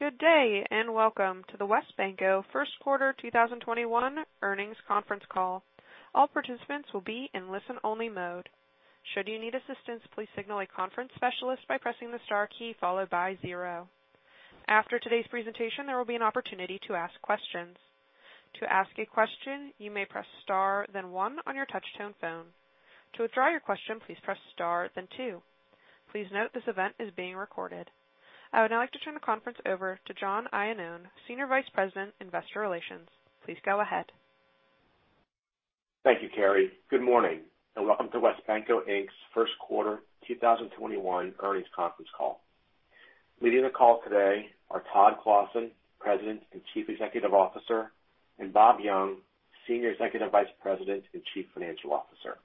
Good day, and welcome to the WesBanco first quarter 2021 earnings conference call. All participants will be in listen-only mode. Should you need assistance, please signal a conference specialist by pressing the star key followed by zero. After today's presentation, there will be an opportunity to ask questions. To ask a question, you may press star then one on your touchtone phone. To withdraw your question, please press star then two. Please note this event is being recorded. I would now like to turn the conference over to John Iannone, Senior Vice President, Investor Relations. Please go ahead. Thank you, Carrie. Good morning, and welcome to WesBanco, Inc.'s first quarter 2021 earnings conference call. Leading the call today are Todd Clossin, President and Chief Executive Officer, and Bob Young, Senior Executive Vice President and Chief Financial Officer.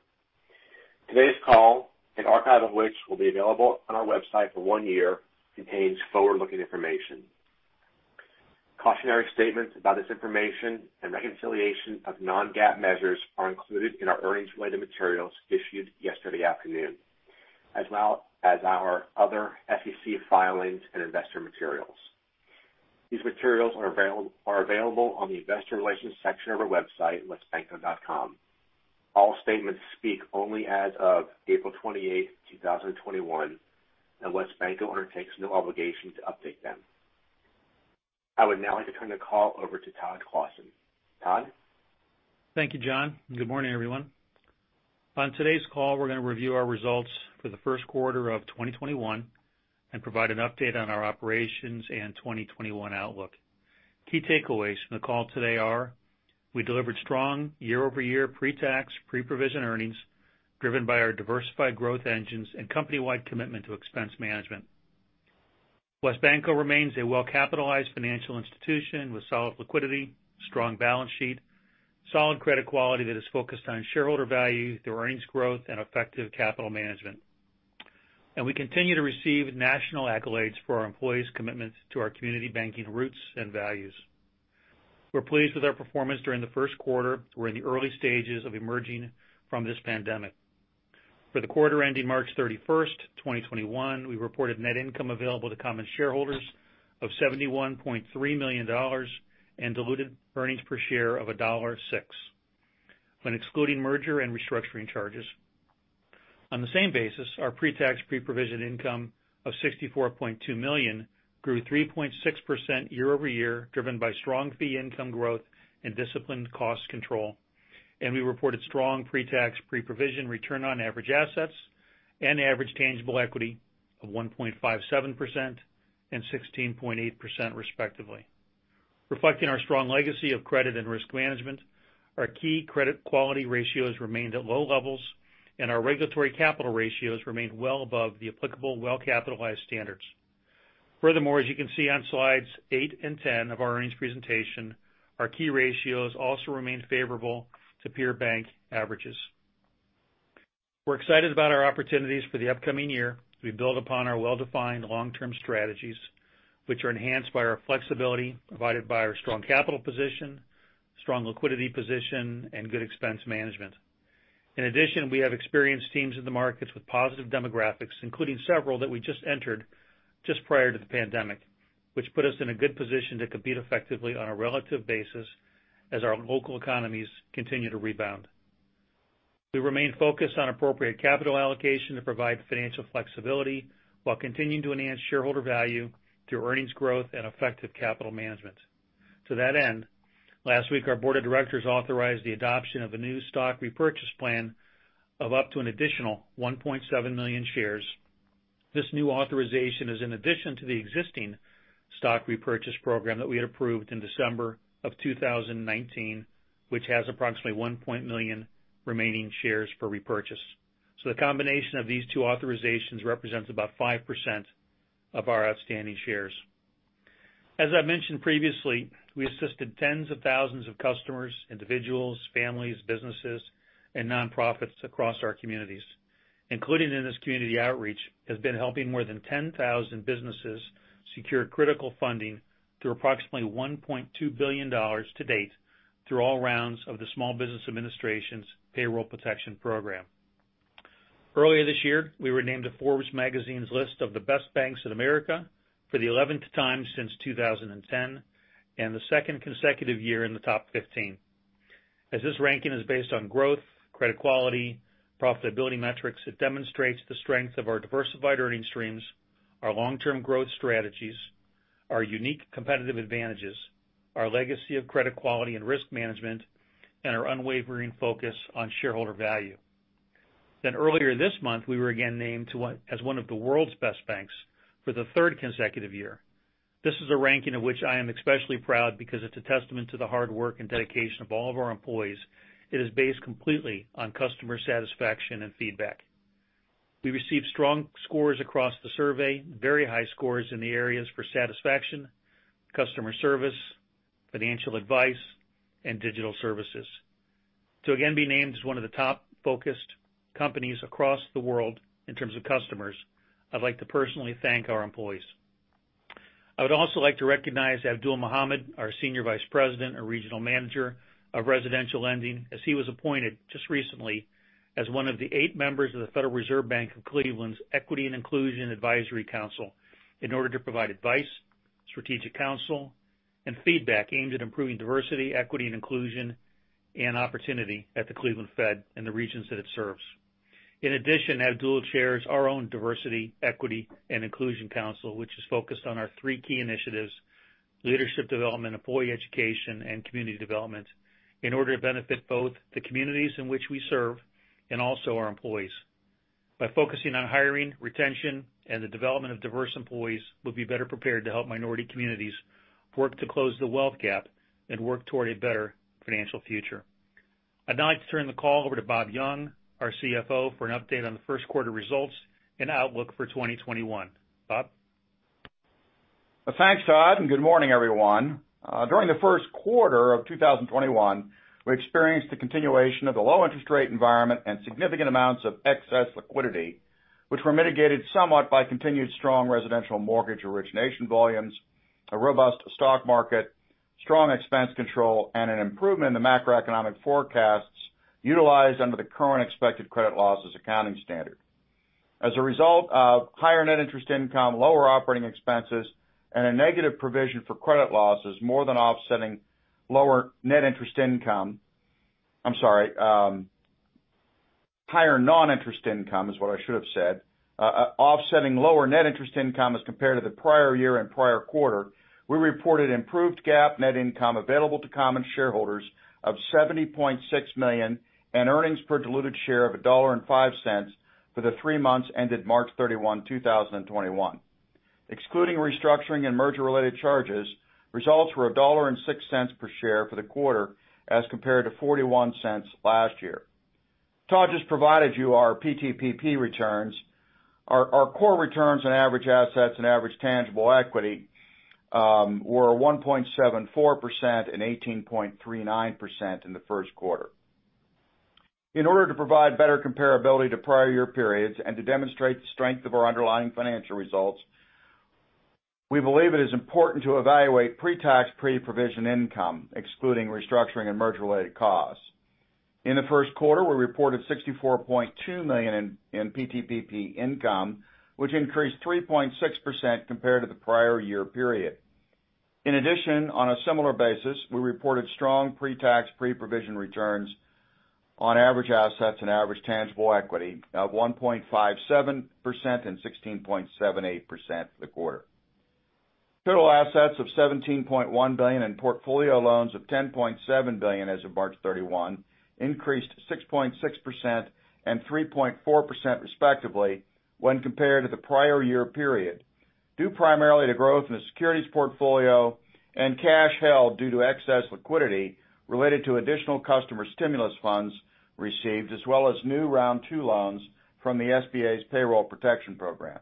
Today's call, an archive of which will be available on our website for one year, contains forward-looking information. Cautionary statements about this information and reconciliation of non-GAAP measures are included in our earnings-related materials issued yesterday afternoon, as well as our other SEC filings and investor materials. These materials are available on the investor relations section of our website, wesbanco.com. All statements speak only as of April 28th, 2021, and WesBanco undertakes no obligation to update them. I would now like to turn the call over to Todd Clossin. Todd? Thank you, John, and good morning, everyone. On today's call, we're going to review our results for the first quarter of 2021 and provide an update on our operations and 2021 outlook. Key takeaways from the call today are we delivered strong year-over-year pre-tax, pre-provision earnings driven by our diversified growth engines and company-wide commitment to expense management. WesBanco remains a well-capitalized financial institution with solid liquidity, strong balance sheet, solid credit quality that is focused on shareholder value through earnings growth and effective capital management. We continue to receive national accolades for our employees' commitments to our community banking roots and values. We're pleased with our performance during the first quarter. We're in the early stages of emerging from this pandemic. For the quarter ending March 31st, 2021, we reported net income available to common shareholders of $71.3 million and diluted earnings per share of $1.06 when excluding merger and restructuring charges. On the same basis, our pre-tax, pre-provision income of $64.2 million grew 3.6% year-over-year, driven by strong fee income growth and disciplined cost control. We reported strong pre-tax, pre-provision return on average assets and average tangible equity of 1.57% and 16.8%, respectively. Reflecting our strong legacy of credit and risk management, our key credit quality ratios remained at low levels, and our regulatory capital ratios remained well above the applicable well-capitalized standards. Furthermore, as you can see on slides eight and 10 of our earnings presentation, our key ratios also remain favorable to peer bank averages. We're excited about our opportunities for the upcoming year. We build upon our well-defined long-term strategies, which are enhanced by our flexibility provided by our strong capital position, strong liquidity position, and good expense management. We have experienced teams in the markets with positive demographics, including several that we just entered just prior to the pandemic, which put us in a good position to compete effectively on a relative basis as our local economies continue to rebound. We remain focused on appropriate capital allocation to provide financial flexibility while continuing to enhance shareholder value through earnings growth and effective capital management. To that end, last week, our board of directors authorized the adoption of a new stock repurchase plan of up to an additional 1.7 million shares. This new authorization is in addition to the existing stock repurchase program that we had approved in December of 2019, which has approximately 1 million remaining shares for repurchase. The combination of these two authorizations represents about 5% of our outstanding shares. As I mentioned previously, we assisted tens of thousands of customers, individuals, families, businesses, and nonprofits across our communities. Included in this community outreach has been helping more than 10,000 businesses secure critical funding through approximately $1.2 billion to date through all rounds of the Small Business Administration's Paycheck Protection Program. Earlier this year, we were named to Forbes magazine's list of the best banks in America for the 11th time since 2010 and the second consecutive year in the top 15. This ranking is based on growth, credit quality, profitability metrics, it demonstrates the strength of our diversified earning streams, our long-term growth strategies, our unique competitive advantages, our legacy of credit quality and risk management, and our unwavering focus on shareholder value. Earlier this month, we were again named as one of the world's best banks for the third consecutive year. This is a ranking of which I am especially proud because it's a testament to the hard work and dedication of all of our employees. It is based completely on customer satisfaction and feedback. We received strong scores across the survey, very high scores in the areas for satisfaction, customer service, financial advice, and digital services. To again be named as one of the top focused companies across the world in terms of customers, I'd like to personally thank our employees. I would also like to recognize Abdul Muhammad, our Senior Vice President and Regional Manager of Residential Lending, as he was appointed just recently as one of the eight members of the Federal Reserve Bank of Cleveland's Equity and Inclusion Advisory Council in order to provide advice, strategic council, and feedback aimed at improving diversity, equity, and inclusion, and opportunity at the Cleveland Fed and the regions that it serves. In addition, Abdul chairs our own diversity, equity, and inclusion council, which is focused on our three key initiatives, leadership development, employee education, and community development, in order to benefit both the communities in which we serve and also our employees. By focusing on hiring, retention, and the development of diverse employees, we'll be better prepared to help minority communities work to close the wealth gap and work toward a better financial future. I'd now like to turn the call over to Bob Young, our CFO, for an update on the first quarter results and outlook for 2021. Bob? Thanks, Todd, and good morning, everyone. During the first quarter of 2021, we experienced the continuation of the low interest rate environment and significant amounts of excess liquidity, which were mitigated somewhat by continued strong residential mortgage origination volumes, a robust stock market, strong expense control, and an improvement in the macroeconomic forecasts utilized under the Current Expected Credit Losses accounting standard. As a result of higher net interest income, lower operating expenses, and a negative provision for credit losses more than offsetting lower net interest income I'm sorry, higher non-interest income is what I should have said. Offsetting lower net interest income as compared to the prior year and prior quarter, we reported improved GAAP net income available to common shareholders of $70.6 million and earnings per diluted share of $1.05 for the three months ended March 31, 2021. Excluding restructuring and merger-related charges, results were $1.06 per share for the quarter as compared to $0.41 last year. Todd just provided you our PTPP returns. Our core returns on average assets and average tangible equity were 1.74% and 18.39% in the first quarter. In order to provide better comparability to prior year periods and to demonstrate the strength of our underlying financial results, we believe it is important to evaluate pre-tax, pre-provision income, excluding restructuring and merger-related costs. In the first quarter, we reported $64.2 million in PTPP income, which increased 3.6% compared to the prior year period. In addition, on a similar basis, we reported strong pre-tax, pre-provision returns on average assets and average tangible equity of 1.57% and 16.78% for the quarter. Total assets of $17.1 billion and portfolio loans of $10.7 billion as of March 31 increased 6.6% and 3.4%, respectively, when compared to the prior year period, due primarily to growth in the securities portfolio and cash held due to excess liquidity related to additional customer stimulus funds received as well as new Round 2 loans from the SBA's Paycheck Protection Program.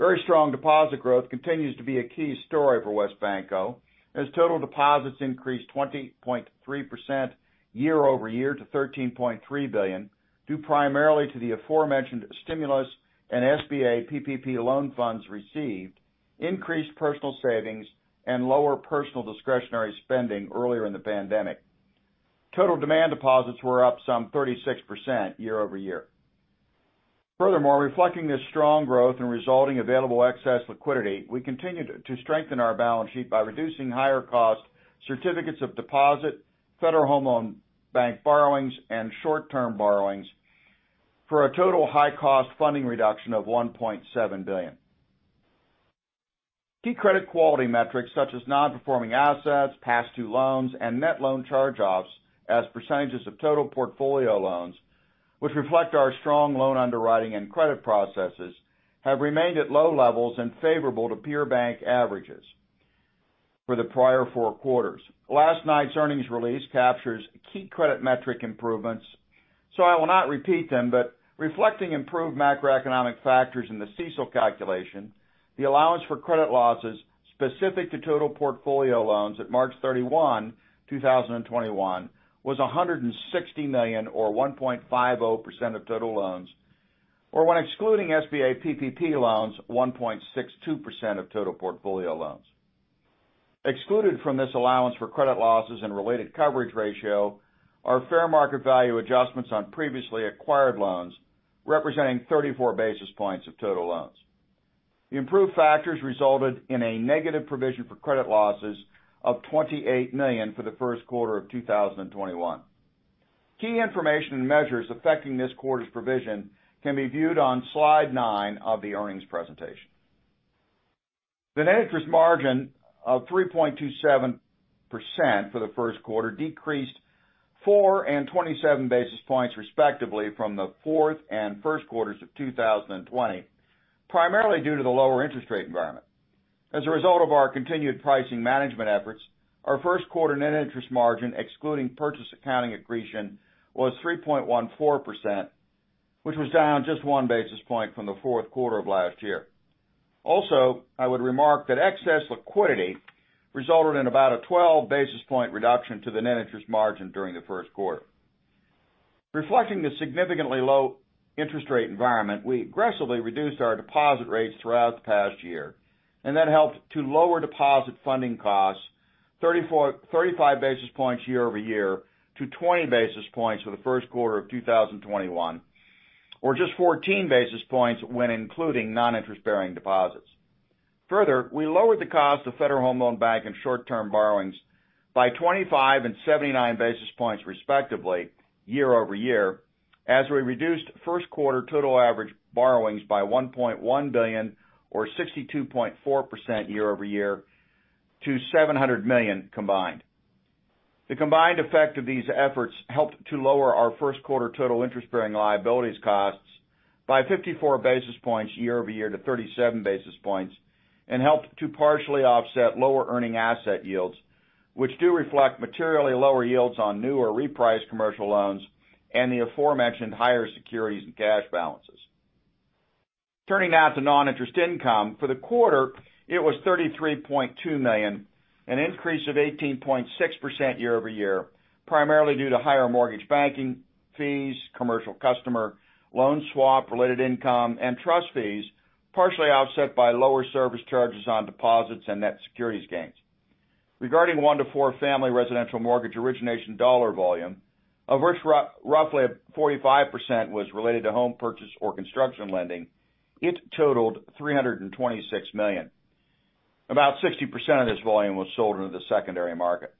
Very strong deposit growth continues to be a key story for WesBanco, as total deposits increased 20.3% year-over-year to $13.3 billion, due primarily to the aforementioned stimulus and SBA PPP loan funds received, increased personal savings, and lower personal discretionary spending earlier in the pandemic. Total demand deposits were up some 36% year-over-year. Furthermore, reflecting this strong growth and resulting available excess liquidity, we continue to strengthen our balance sheet by reducing higher cost certificates of deposit, Federal Home Loan Bank borrowings, and short-term borrowings for a total high-cost funding reduction of $1.7 billion. Key credit quality metrics such as non-performing assets, past due loans, and net loan charge-offs as percentages of total portfolio loans, which reflect our strong loan underwriting and credit processes, have remained at low levels and favorable to peer bank averages for the prior four quarters. Last night's earnings release captures key credit metric improvements, so I will not repeat them, but reflecting improved macroeconomic factors in the CECL calculation, the allowance for credit losses specific to total portfolio loans at March 31, 2021, was $160 million, or 1.50% of total loans. Or when excluding SBA PPP loans, 1.62% of total portfolio loans. Excluded from this allowance for credit losses and related coverage ratio are fair market value adjustments on previously acquired loans representing 34 basis points of total loans. The improved factors resulted in a negative provision for credit losses of $28 million for the first quarter of 2021. Key information and measures affecting this quarter's provision can be viewed on slide nine of the earnings presentation. The net interest margin of 3.27% for the first quarter decreased four and 27 basis points respectively from the fourth and first quarters of 2020, primarily due to the lower interest rate environment. As a result of our continued pricing management efforts, our first quarter net interest margin, excluding purchase accounting accretion, was 3.14%, which was down just 1 basis point from the fourth quarter of last year. I would remark that excess liquidity resulted in about a 12 basis point reduction to the net interest margin during the first quarter. Reflecting the significantly low interest rate environment, we aggressively reduced our deposit rates throughout the past year, and that helped to lower deposit funding costs 35 basis points year-over-year to 20 basis points for the first quarter of 2021, or just 14 basis points when including non-interest bearing deposits. Further, we lowered the cost of Federal Home Loan Bank and short-term borrowings by 25 basis points and 79 basis points respectively year-over-year, as we reduced first quarter total average borrowings by $1.1 billion or 62.4% year-over-year to $700 million combined. The combined effect of these efforts helped to lower our first quarter total interest bearing liabilities costs by 54 basis points year-over-year to 37 basis points, and helped to partially offset lower earning asset yields, which do reflect materially lower yields on new or repriced commercial loans and the aforementioned higher securities and cash balances. Turning now to non-interest income. For the quarter, it was $33.2 million, an increase of 18.6% year-over-year, primarily due to higher mortgage banking fees, commercial customer loan swap related income, and trust fees, partially offset by lower service charges on deposits and net securities gains. Regarding one to four family residential mortgage origination dollar volume, of which roughly 45% was related to home purchase or construction lending, it totaled $326 million. About 60% of this volume was sold into the secondary market.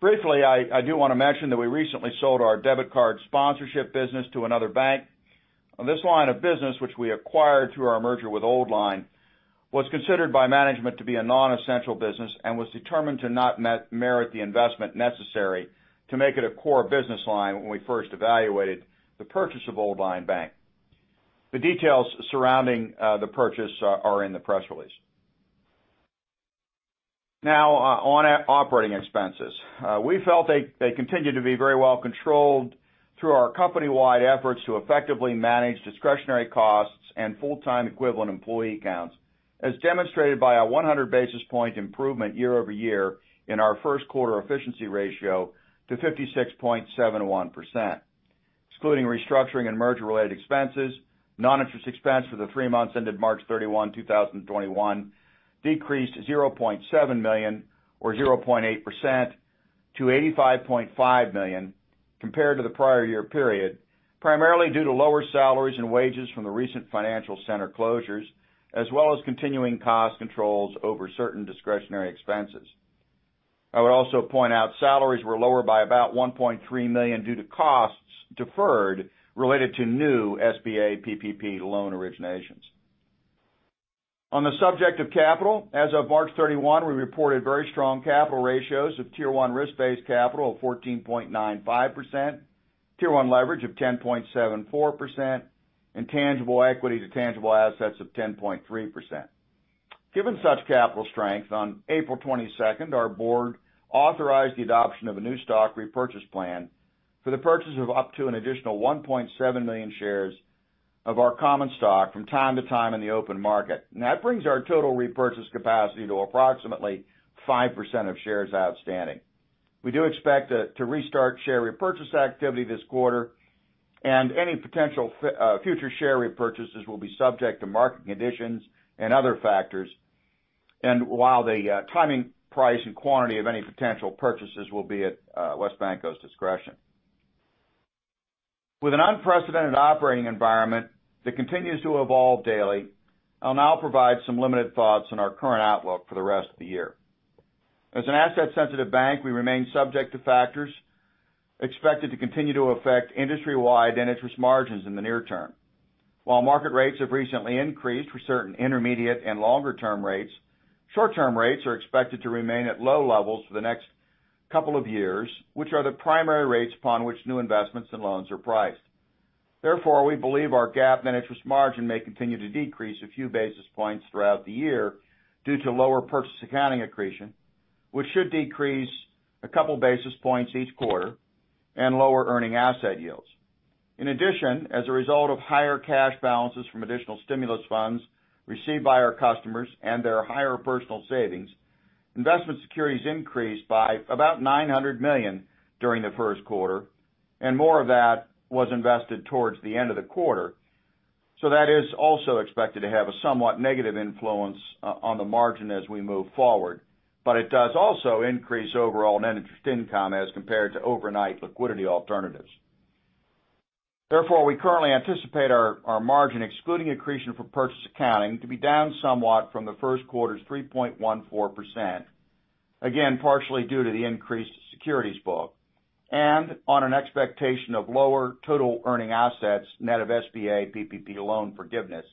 Briefly, I do want to mention that we recently sold our debit card sponsorship business to another bank. This line of business, which we acquired through our merger with Old Line Bank, was considered by management to be a non-essential business and was determined to not merit the investment necessary to make it a core business line when we first evaluated the purchase of Old Line Bank. The details surrounding the purchase are in the press release. Now, on operating expenses. We felt they continued to be very well controlled through our company-wide efforts to effectively manage discretionary costs and full-time equivalent employee counts, as demonstrated by a 100 basis point improvement year-over-year in our first quarter efficiency ratio to 56.71%. Excluding restructuring and merger related expenses, non-interest expense for the three months ended March 31, 2021, decreased $0.7 million or 0.8% to $85.5 million compared to the prior year period, primarily due to lower salaries and wages from the recent financial center closures, as well as continuing cost controls over certain discretionary expenses. I would also point out salaries were lower by about $1.3 million due to costs deferred related to new SBA PPP loan originations. On the subject of capital, as of March 31, we reported very strong capital ratios of Tier 1 risk-based capital of 14.95%, Tier 1 leverage of 10.74%, and tangible equity to tangible assets of 10.3%. Given such capital strength, on April 22nd, our board authorized the adoption of a new stock repurchase plan for the purchase of up to an additional 1.7 million shares of our common stock from time to time in the open market. That brings our total repurchase capacity to approximately 5% of shares outstanding. We do expect to restart share repurchase activity this quarter and any potential future share repurchases will be subject to market conditions and other factors, and while the timing, price, and quantity of any potential purchases will be at WesBanco's discretion. With an unprecedented operating environment that continues to evolve daily, I'll now provide some limited thoughts on our current outlook for the rest of the year. As an asset sensitive bank, we remain subject to factors expected to continue to affect industry-wide net interest margins in the near term. While market rates have recently increased for certain intermediate and longer term rates, short-term rates are expected to remain at low levels for the next couple of years, which are the primary rates upon which new investments and loans are priced. Therefore, we believe our GAAP net interest margin may continue to decrease a few basis points throughout the year due to lower purchase accounting accretion, which should decrease a couple basis points each quarter and lower earning asset yields. In addition, as a result of higher cash balances from additional stimulus funds received by our customers and their higher personal savings, investment securities increased by about $900 million during the first quarter, and more of that was invested towards the end of the quarter. That is also expected to have a somewhat negative influence on the margin as we move forward. It does also increase overall net interest income as compared to overnight liquidity alternatives. Therefore, we currently anticipate our margin, excluding accretion for purchase accounting, to be down somewhat from the first quarter's 3.14%, again, partially due to the increased securities book and on an expectation of lower total earning assets net of SBA PPP loan forgiveness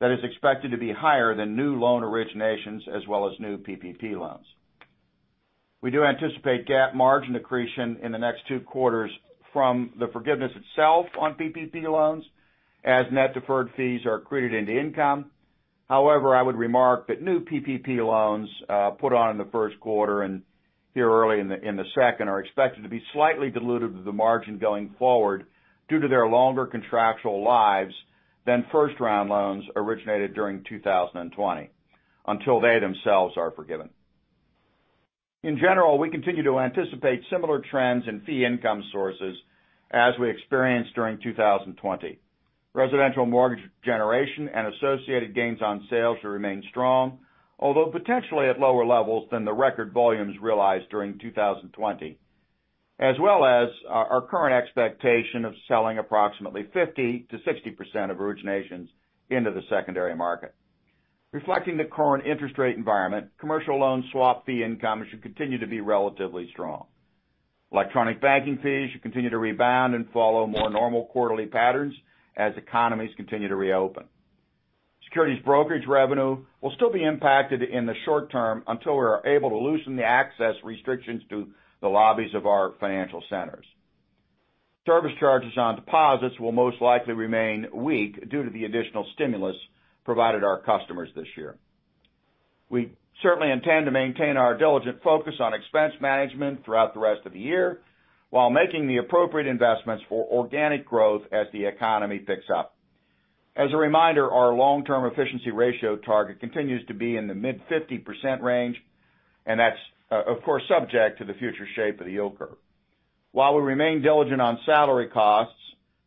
that is expected to be higher than new loan originations as well as new PPP loans. We do anticipate GAAP margin accretion in the next two quarters from the forgiveness itself on PPP loans as net deferred fees are accreted into income. However, I would remark that new PPP loans put on in the first quarter and here early in the second are expected to be slightly dilutive to the margin going forward due to their longer contractual lives than first-round loans originated during 2020, until they themselves are forgiven. In general, we continue to anticipate similar trends in fee income sources as we experienced during 2020. Residential mortgage generation and associated gains on sales should remain strong, although potentially at lower levels than the record volumes realized during 2020, as well as our current expectation of selling approximately 50%-60% of originations into the secondary market. Reflecting the current interest rate environment, commercial loan swap fee income should continue to be relatively strong. Electronic banking fees should continue to rebound and follow more normal quarterly patterns as economies continue to reopen. Securities brokerage revenue will still be impacted in the short term until we are able to loosen the access restrictions to the lobbies of our financial centers. Service charges on deposits will most likely remain weak due to the additional stimulus provided our customers this year. We certainly intend to maintain our diligent focus on expense management throughout the rest of the year, while making the appropriate investments for organic growth as the economy picks up. As a reminder, our long-term efficiency ratio target continues to be in the mid 50% range, and that's of course, subject to the future shape of the yield curve. While we remain diligent on salary costs,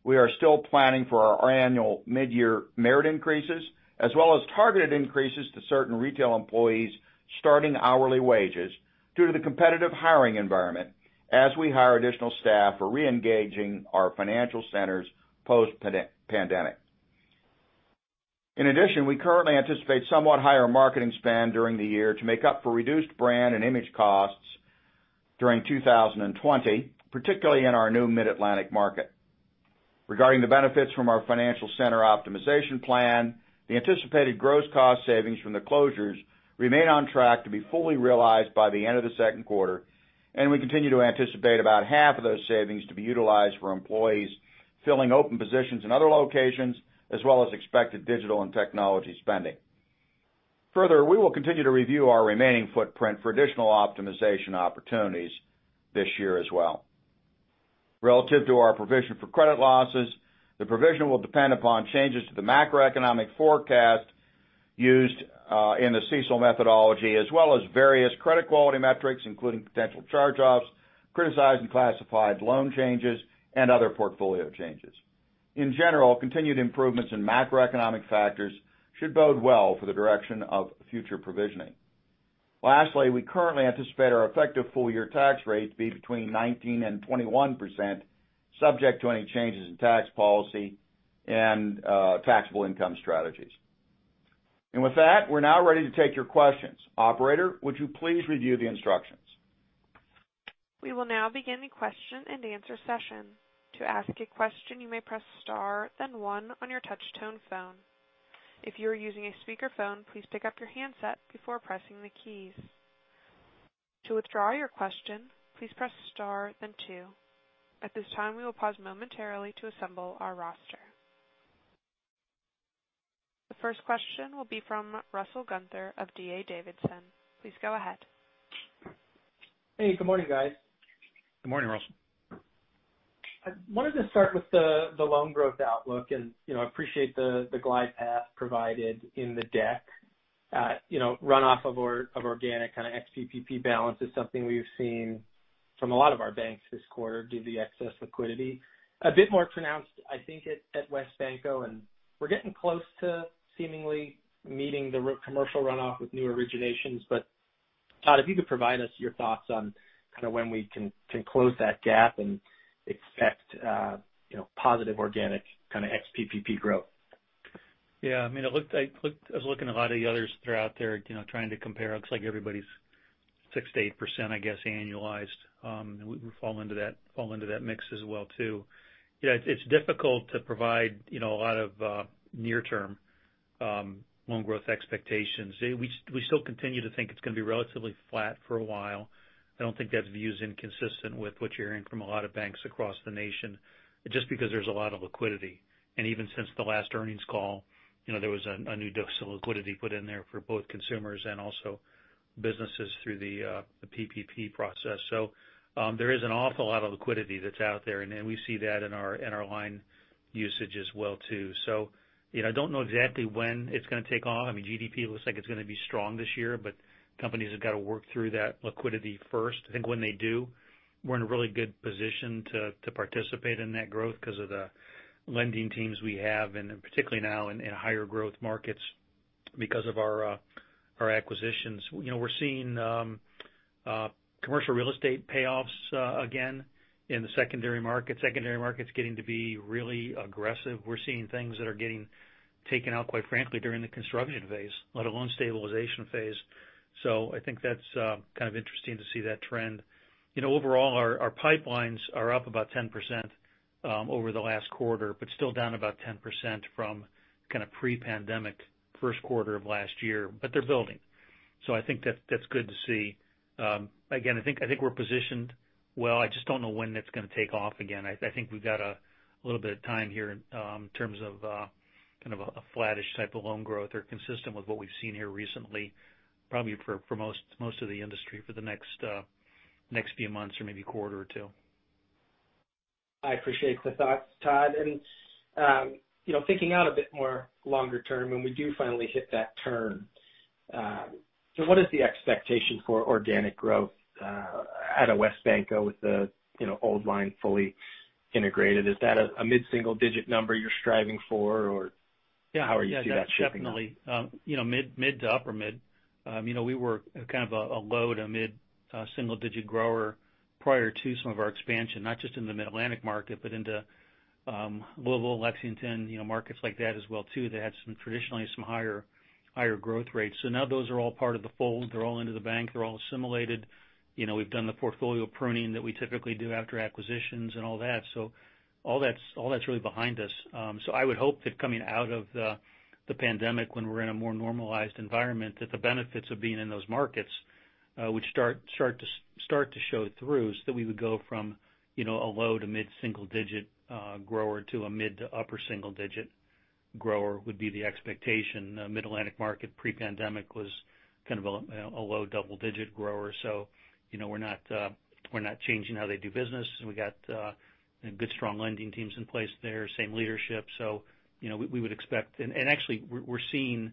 we are still planning for our annual midyear merit increases as well as targeted increases to certain retail employees' starting hourly wages due to the competitive hiring environment as we hire additional staff for reengaging our financial centers post-pandemic. In addition, we currently anticipate somewhat higher marketing spend during the year to make up for reduced brand and image costs during 2020, particularly in our new Mid-Atlantic market. Regarding the benefits from our financial center optimization plan, the anticipated gross cost savings from the closures remain on track to be fully realized by the end of the second quarter, and we continue to anticipate about half of those savings to be utilized for employees filling open positions in other locations, as well as expected digital and technology spending. Further, we will continue to review our remaining footprint for additional optimization opportunities this year as well. Relative to our provision for credit losses, the provision will depend upon changes to the macroeconomic forecast used in the CECL methodology, as well as various credit quality metrics, including potential charge-offs, criticized and classified loan changes, and other portfolio changes. In general, continued improvements in macroeconomic factors should bode well for the direction of future provisioning. Lastly, we currently anticipate our effective full-year tax rate to be between 19% and 21%, subject to any changes in tax policy and taxable income strategies. With that, we're now ready to take your questions. Operator, would you please review the instructions? We will now begin the question and answer session. To ask a question, you may press star then one on your touch-tone phone. If you are using a speakerphone, please pick up your handset before pressing the keys. To withdraw your question, please press star then two. At this time, we will pause momentarily to assemble our roster. The first question will be from Russell Gunther of D.A. Davidson. Please go ahead. Hey, good morning, guys. Good morning, Russell. I wanted to start with the loan growth outlook and appreciate the glide path provided in the deck. Runoff of organic ex-PPP balance is something we've seen from a lot of our banks this quarter due to the excess liquidity. A bit more pronounced, I think, at WesBanco, and we're getting close to seemingly meeting the commercial runoff with new originations. Todd, if you could provide us your thoughts on when we can close that gap and expect positive organic ex-PPP growth. Yeah, I was looking at a lot of the others that are out there trying to compare. It looks like everybody's 6%-8%, I guess, annualized. We fall into that mix as well, too. It's difficult to provide a lot of near-term loan growth expectations. We still continue to think it's going to be relatively flat for a while. I don't think that view is inconsistent with what you're hearing from a lot of banks across the nation, just because there's a lot of liquidity. Even since the last earnings call, there was a new dose of liquidity put in there for both consumers and also businesses through the PPP process. There is an awful lot of liquidity that's out there, and we see that in our line usage as well, too. I don't know exactly when it's going to take off. GDP looks like it's going to be strong this year, companies have got to work through that liquidity first. I think when they do, we're in a really good position to participate in that growth because of the lending teams we have, and particularly now in higher growth markets because of our acquisitions. We're seeing commercial real estate payoffs again in the secondary market. Secondary market's getting to be really aggressive. We're seeing things that are getting taken out, quite frankly, during the construction phase, let alone stabilization phase. I think that's kind of interesting to see that trend. Overall, our pipelines are up about 10% over the last quarter, still down about 10% from pre-pandemic first quarter of last year. They're building, I think that's good to see. Again, I think we're positioned well. I just don't know when it's going to take off again. I think we've got a little bit of time here in terms of a flattish type of loan growth or consistent with what we've seen here recently, probably for most of the industry for the next few months or maybe a quarter or two. I appreciate the thoughts, Todd. Thinking out a bit more longer term, when we do finally hit that turn. What is the expectation for organic growth out of WesBanco with the Old Line fully integrated? Is that a mid-single digit number you're striving for? How are you seeing that shaping up? That's definitely mid to upper mid. We were kind of a low to mid single digit grower prior to some of our expansion, not just in the Mid-Atlantic market, but into Louisville, Lexington, markets like that as well too, that had some traditionally some higher growth rates. Now those are all part of the fold. They're all into the bank. They're all assimilated. We've done the portfolio pruning that we typically do after acquisitions and all that. All that's really behind us. I would hope that coming out of the pandemic, when we're in a more normalized environment, that the benefits of being in those markets would start to show through so that we would go from a low to mid-single digit grower to a mid to upper single digit grower would be the expectation. Mid-Atlantic market pre-pandemic was kind of a low double digit grower. We're not changing how they do business. We got good strong lending teams in place there. Same leadership. We would expect, and actually we're seeing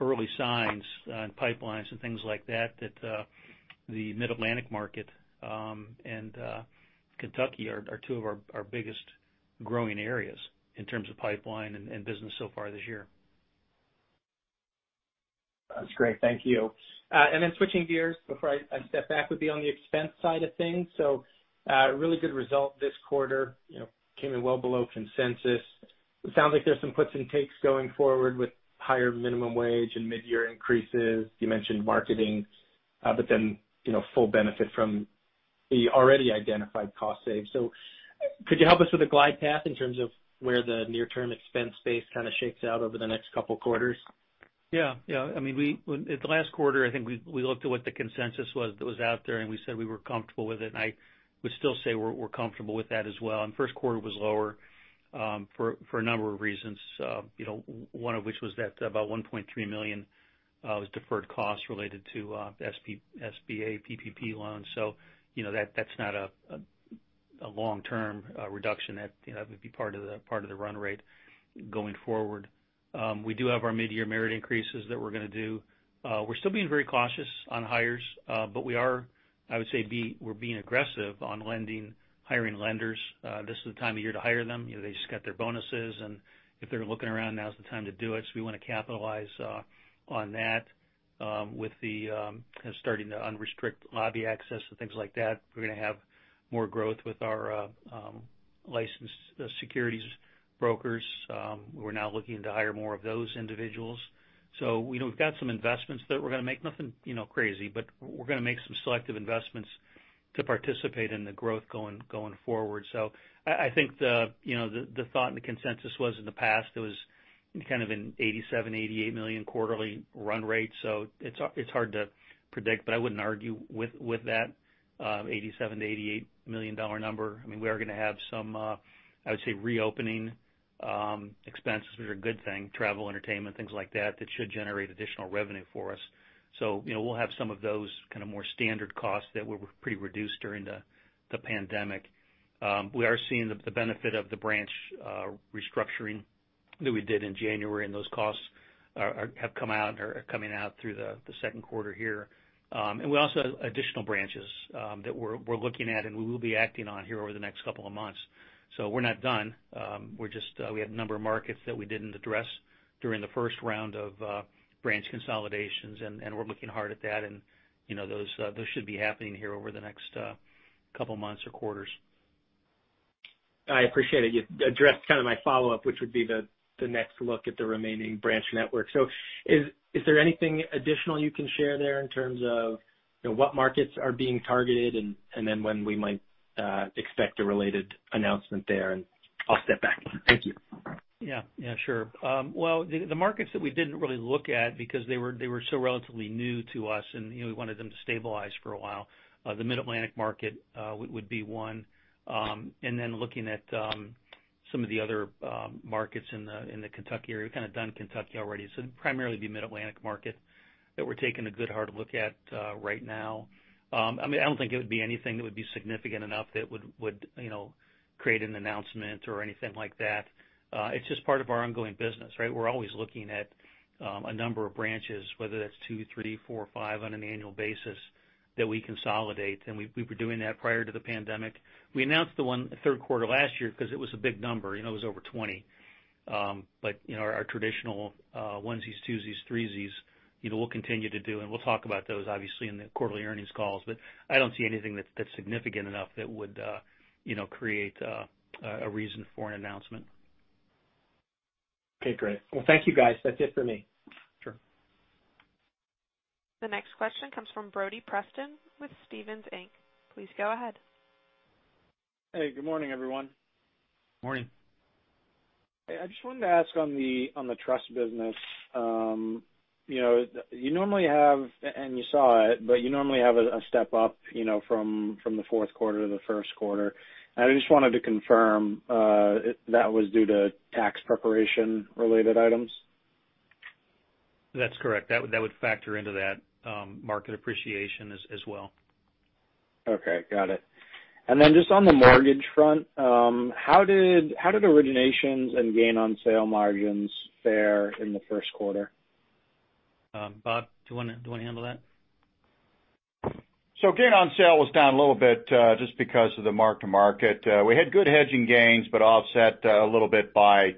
early signs on pipelines and things like that the Mid-Atlantic market, and Kentucky are two of our biggest growing areas in terms of pipeline and business so far this year. That's great. Thank you. Switching gears before I step back would be on the expense side of things. Really good result this quarter. Came in well below consensus. It sounds like there's some puts and takes going forward with higher minimum wage and mid-year increases. You mentioned marketing, full benefit from the already identified cost saves. Could you help us with a glide path in terms of where the near term expense base kind of shakes out over the next couple quarters? Yeah. At the last quarter, I think we looked at what the consensus was that was out there, and we said we were comfortable with it, I would still say we're comfortable with that as well. First quarter was lower, for a number of reasons. One of which was that about $1.3 million was deferred costs related to SBA PPP loans. That's not a long-term reduction that would be part of the run rate going forward. We do have our mid-year merit increases that we're going to do. We're still being very cautious on hires. We are, I would say, we're being aggressive on lending, hiring lenders. This is the time of year to hire them. They just got their bonuses, and if they're looking around now's the time to do it. We want to capitalize on that with the starting to unrestrict lobby access and things like that. We're going to have more growth with our licensed securities brokers. We're now looking to hire more of those individuals. We've got some investments that we're going to make. Nothing crazy, but we're going to make some selective investments to participate in the growth going forward. I think the thought and the consensus was in the past, it was kind of an $87 million, $88 million quarterly run rate. It's hard to predict, but I wouldn't argue with that $87 million-$88 million number. We are going to have some, I would say reopening expenses, which are a good thing. Travel, entertainment, things like that should generate additional revenue for us. We'll have some of those kind of more standard costs that were pretty reduced during the pandemic. We are seeing the benefit of the branch restructuring that we did in January. Those costs have come out and are coming out through the second quarter here. We also have additional branches that we're looking at and we will be acting on here over the next couple of months. We're not done. We had a number of markets that we didn't address during the first round of branch consolidations, and we're looking hard at that. Those should be happening here over the next couple months or quarters. I appreciate it. You addressed kind of my follow-up, which would be the next look at the remaining branch network. Is there anything additional you can share there in terms of what markets are being targeted and then when we might expect a related announcement there? I'll step back. Thank you. Yeah. Sure. The markets that we didn't really look at because they were so relatively new to us and we wanted them to stabilize for a while. The Mid-Atlantic market would be one. Looking at some of the other markets in the Kentucky area, we've kind of done Kentucky already. It'd primarily be Mid-Atlantic market that we're taking a good hard look at right now. I don't think it would be anything that would be significant enough that would create an announcement or anything like that. It's just part of our ongoing business, right? We're always looking at a number of branches, whether that's two, three, four, five on an annual basis that we consolidate. We were doing that prior to the pandemic. We announced the one third quarter last year because it was a big number. It was over 20. Our traditional onesies, twosies, threesies we'll continue to do, and we'll talk about those obviously in the quarterly earnings calls. I don't see anything that's significant enough that would create a reason for an announcement. Okay, great. Thank you guys. That's it for me. Sure. The next question comes from Brody Preston with Stephens Inc. Please go ahead. Hey, good morning, everyone. Morning. I just wanted to ask on the trust business. You normally have, and you saw it, but you normally have a step up from the fourth quarter to the first quarter. I just wanted to confirm, that was due to tax preparation related items? That's correct. That would factor into that market appreciation as well. Okay. Got it. Just on the mortgage front, how did originations and gain on sale margins fare in the first quarter? Bob, do you want to handle that? Gain on sale was down a little bit, just because of the mark-to-market. We had good hedging gains, but offset a little bit by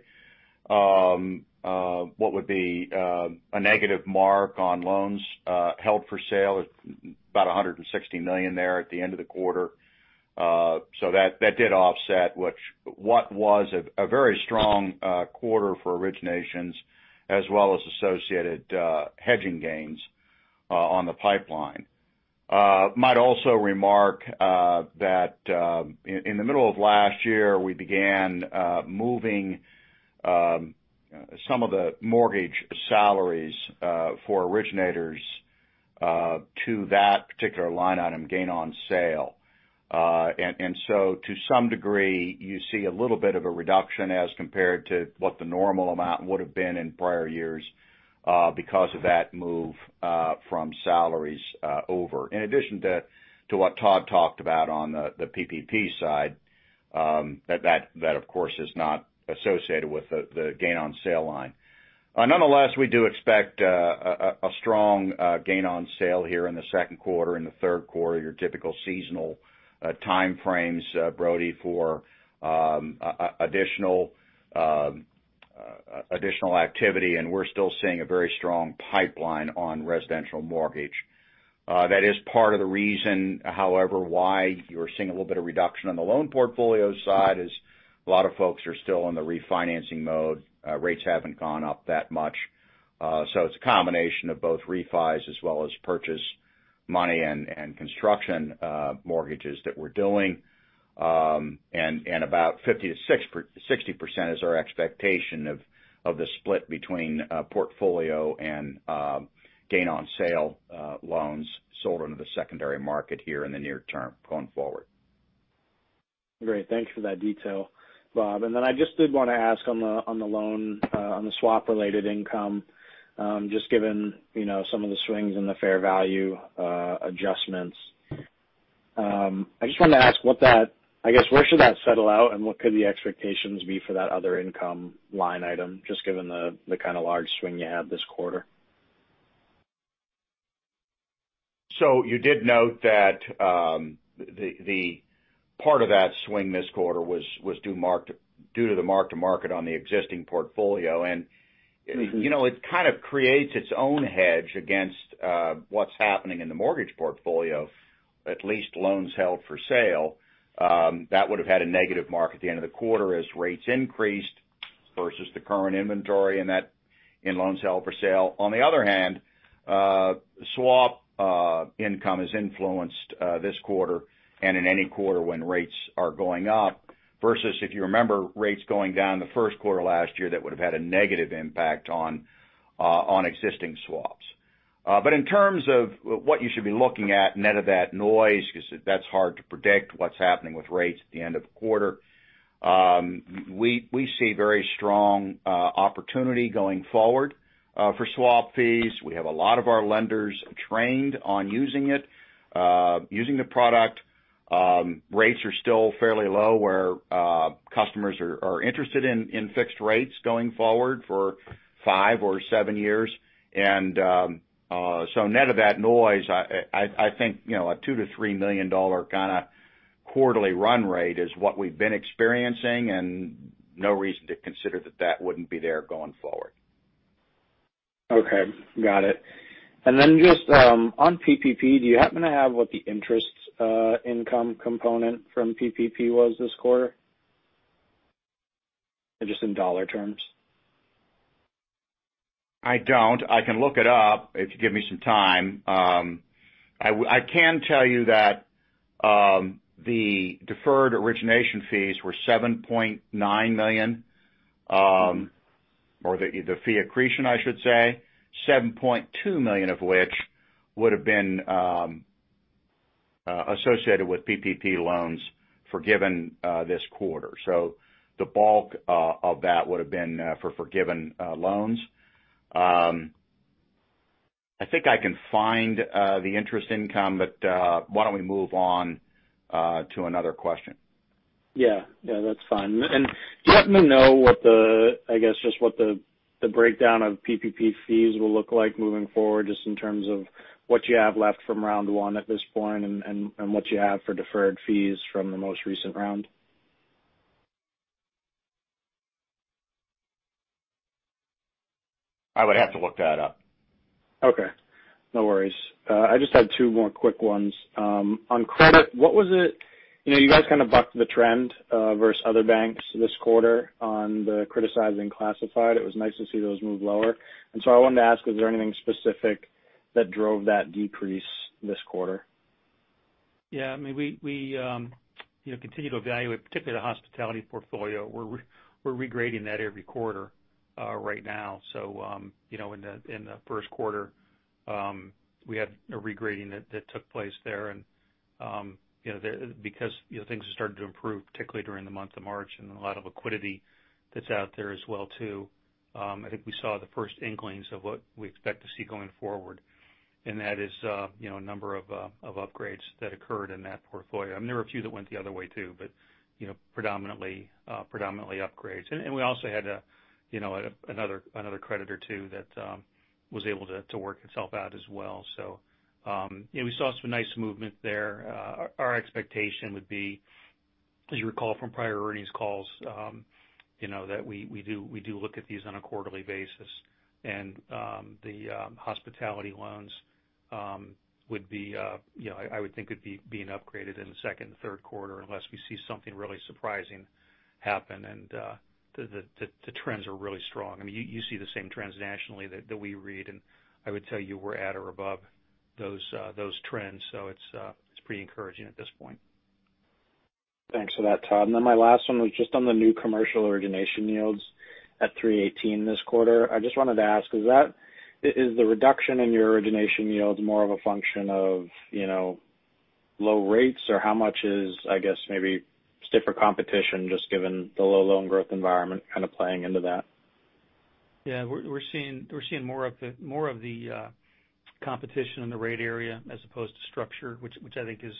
what would be a negative mark on loans held for sale at about $160 million there at the end of the quarter. That did offset what was a very strong quarter for originations as well as associated hedging gains on the pipeline. Might also remark that in the middle of last year, we began moving some of the mortgage salaries for originators to that particular line item, gain on sale. To some degree, you see a little bit of a reduction as compared to what the normal amount would've been in prior years because of that move from salaries over. In addition to what Todd talked about on the PPP side, that of course is not associated with the gain on sale line. Nonetheless, we do expect a strong gain on sale here in the second quarter, in the third quarter, your typical seasonal timeframes, Brody, for additional activity. We're still seeing a very strong pipeline on residential mortgage. That is part of the reason, however, why you're seeing a little bit of reduction on the loan portfolio side is a lot of folks are still in the refinancing mode. Rates haven't gone up that much. It's a combination of both refis as well as purchase money and construction mortgages that we're doing. About 50%-60% is our expectation of the split between portfolio and gain on sale loans sold into the secondary market here in the near term going forward. Great. Thanks for that detail, Bob. I just did want to ask on the loan, on the swap-related income, just given some of the swings in the fair value adjustments. I just wanted to ask, where should that settle out, and what could the expectations be for that other income line item, just given the kind of large swing you had this quarter? You did note that the part of that swing this quarter was due to the mark-to-market on the existing portfolio. It kind of creates its own hedge against what's happening in the mortgage portfolio, at least loans held for sale. That would've had a negative mark at the end of the quarter as rates increased versus the current inventory in loans held for sale. On the other hand, swap income is influenced this quarter and in any quarter when rates are going up versus if you remember rates going down the first quarter last year, that would've had a negative impact on existing swaps. In terms of what you should be looking at net of that noise, because that's hard to predict what's happening with rates at the end of a quarter. We see very strong opportunity going forward for swap fees. We have a lot of our lenders trained on using it, using the product. Rates are still fairly low where customers are interested in fixed rates going forward for five or seven years. Net of that noise, I think, a $2 million-$3 million kind of quarterly run rate is what we've been experiencing and no reason to consider that that wouldn't be there going forward. Okay. Got it. Just on PPP, do you happen to have what the interest income component from PPP was this quarter? Just in dollar terms. I don't. I can look it up if you give me some time. I can tell you that the deferred origination fees were $7.9 million. The fee accretion, I should say, $7.2 million of which would've been associated with PPP loans forgiven this quarter. The bulk of that would've been for forgiven loans. I think I can find the interest income, why don't we move on to another question. Yeah. That's fine. Do you happen to know what the breakdown of PPP fees will look like moving forward, just in terms of what you have left from round one at this point and what you have for deferred fees from the most recent round? I would have to look that up. Okay. No worries. I just had two more quick ones. On credit. You guys kind of bucked the trend versus other banks this quarter on the criticized classified. It was nice to see those move lower. I wanted to ask, is there anything specific that drove that decrease this quarter? Yeah. We continue to evaluate, particularly the hospitality portfolio. We're regrading that every quarter right now. In the first quarter, we had a regrading that took place there because things have started to improve, particularly during the month of March and a lot of liquidity that's out there as well too. I think we saw the first inklings of what we expect to see going forward. That is a number of upgrades that occurred in that portfolio. There were a few that went the other way too, but predominantly upgrades. We also had another credit or two that was able to work itself out as well. We saw some nice movement there. Our expectation would be, as you recall from prior earnings calls, that we do look at these on a quarterly basis. The hospitality loans I would think would be being upgraded in the second and third quarter unless we see something really surprising happen. The trends are really strong. You see the same trends nationally that we read, and I would tell you we're at or above those trends. It's pretty encouraging at this point. Thanks for that, Todd. Then my last one was just on the new commercial origination yields at 318 this quarter. I just wanted to ask, is the reduction in your origination yields more of a function of low rates? How much is, I guess, maybe stiffer competition just given the low loan growth environment kind of playing into that? Yeah. We're seeing more of the competition in the rate area as opposed to structure, which I think is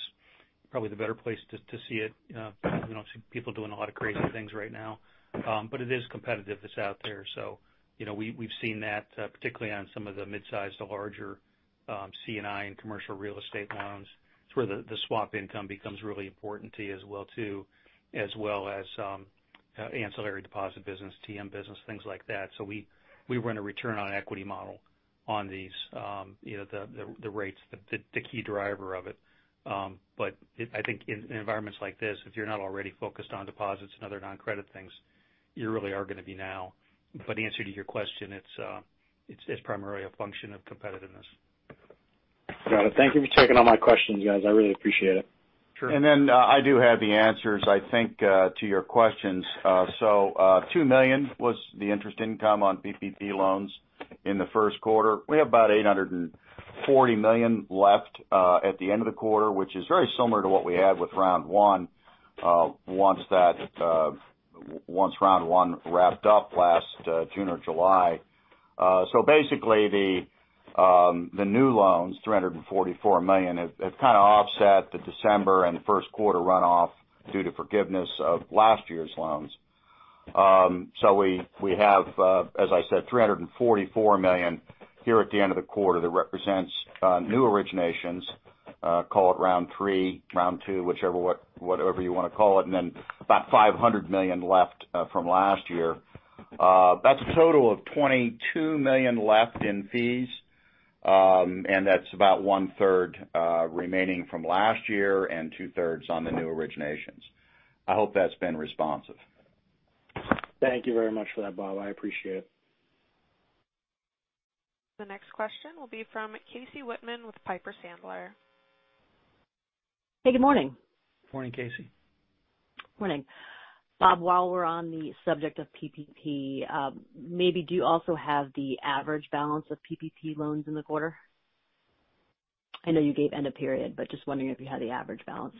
probably the better place to see it. We don't see people doing a lot of crazy things right now. It is competitive that's out there. We've seen that particularly on some of the midsize to larger C&I and commercial real estate loans. It's where the swap income becomes really important to you as well too, as well as ancillary deposit business, TM business, things like that. We run a return on equity model on the rates, the key driver of it. The answer to your question, it's primarily a function of competitiveness. Got it. Thank you for taking all my questions, guys. I really appreciate it. Sure. I do have the answers to your questions. $2 million was the interest income on PPP loans in the first quarter. We have about $840 million left at the end of the quarter, which is very similar to what we had with round one once round one wrapped up last June or July. The new loans, $344 million, have kind of offset the December and first quarter runoff due to forgiveness of last year's loans. We have, as I said, $344 million here at the end of the quarter that represents new originations. Call it round three, round two, whatever you want to call it, and then about $500 million left from last year. That's a total of $22 million left in fees. That's about 1/3 remaining from last year and 2/3 on the new originations. I hope that's been responsive. Thank you very much for that, Bob. I appreciate it. The next question will be from Casey Whitman with Piper Sandler. Hey, good morning. Morning, Casey. Morning. Bob, while we're on the subject of PPP, maybe do you also have the average balance of PPP loans in the quarter? I know you gave end of period, just wondering if you had the average balance.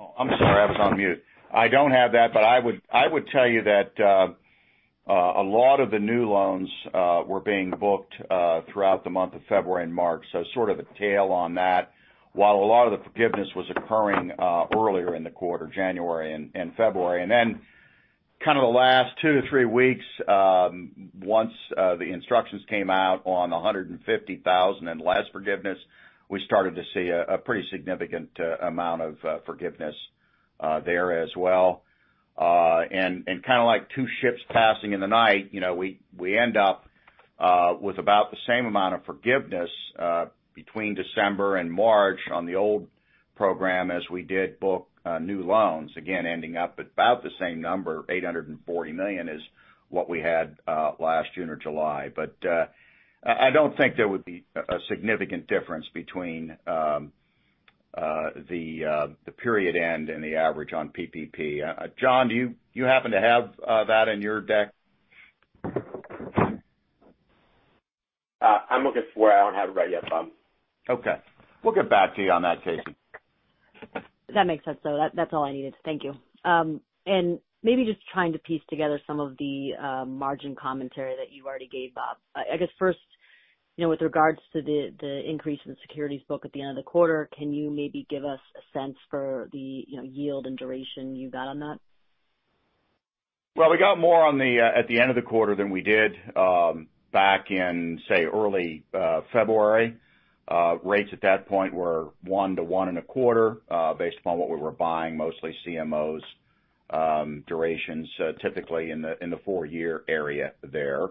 Oh, I'm sorry. I was on mute. I don't have that. I would tell you that a lot of the new loans were being booked throughout the month of February and March, so sort of a tail on that. While a lot of the forgiveness was occurring earlier in the quarter, January and February. Then kind of the last two to three weeks, once the instructions came out on $150,000 and less forgiveness, we started to see a pretty significant amount of forgiveness there as well. Kind of like two ships passing in the night, we end up with about the same amount of forgiveness between December and March on the old program as we did book new loans, again, ending up at about the same number, $840 million is what we had last June or July. I don't think there would be a significant difference between the period end and the average on PPP. John, do you happen to have that in your deck? I'm looking for it. I don't have it right yet, Bob. Okay. We'll get back to you on that, Casey. That makes sense, though. That's all I needed. Thank you. Maybe just trying to piece together some of the margin commentary that you already gave, Bob. I guess first, with regards to the increase in the securities book at the end of the quarter, can you maybe give us a sense for the yield and duration you got on that? Well, we got more at the end of the quarter than we did back in, say, early February. Rates at that point were 1% to 1.25%, based upon what we were buying, mostly CMOs durations, typically in the four-year area there.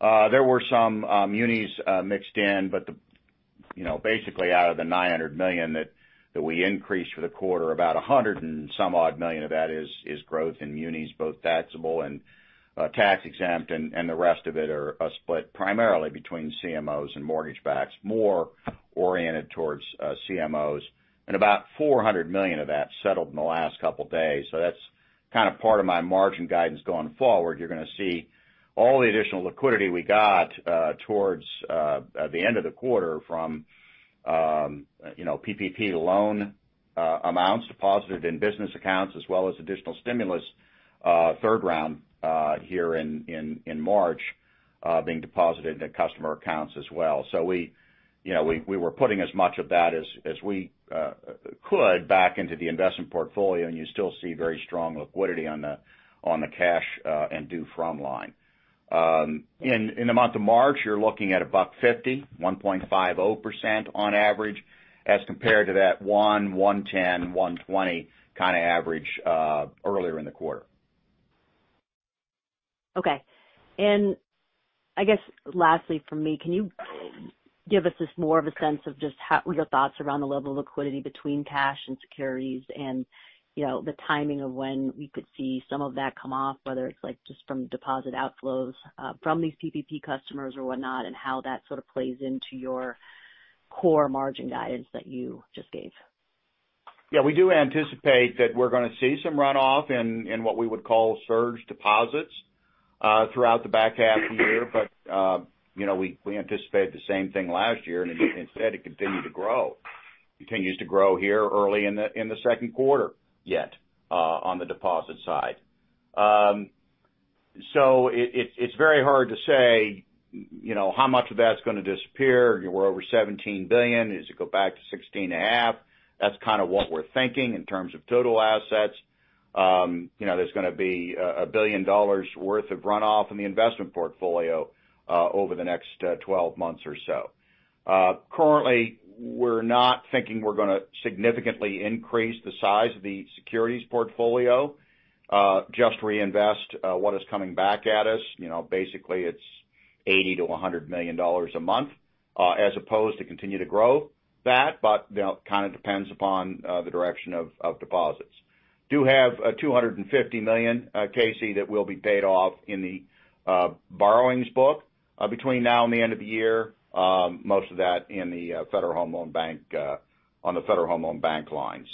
There were some munis mixed in. Basically, out of the $900 million that we increased for the quarter, about $100 and some odd million of that is growth in munis, both taxable and tax-exempt. The rest of it are split primarily between CMOs and mortgage-backed, more oriented towards CMOs. About $400 million of that settled in the last couple of days. That's kind of part of my margin guidance going forward. You're going to see all the additional liquidity we got towards the end of the quarter from PPP loan amounts deposited in business accounts as well as additional stimulus, third round, here in March, being deposited into customer accounts as well. We were putting as much of that as we could back into the investment portfolio, and you still see very strong liquidity on the cash and due from line. In the month of March, you're looking at a buck 50, 1.50% on average, as compared to that 1%, 1.10%, 1.20% kind of average earlier in the quarter. Okay. I guess lastly from me, can you give us just more of a sense of just your thoughts around the level of liquidity between cash and securities and the timing of when we could see some of that come off, whether it's just from deposit outflows from these PPP customers or whatnot, and how that sort of plays into your core margin guidance that you just gave? Yeah, we do anticipate that we're going to see some runoff in what we would call surge deposits throughout the back half of the year. We anticipated the same thing last year, and instead it continued to grow. Continues to grow here early in the second quarter yet on the deposit side. It's very hard to say how much of that's going to disappear. We're over $17 billion. Does it go back to $16.5 billion? That's kind of what we're thinking in terms of total assets. There's going to be $1 billion worth of runoff in the investment portfolio over the next 12 months or so. Currently, we're not thinking we're going to significantly increase the size of the securities portfolio. Just reinvest what is coming back at us. Basically, it's $80 million-$100 million a month as opposed to continue to grow that. It kind of depends upon the direction of deposits. Do have $250 million, Casey, that will be paid off in the borrowings book between now and the end of the year. Most of that on the Federal Home Loan Bank line.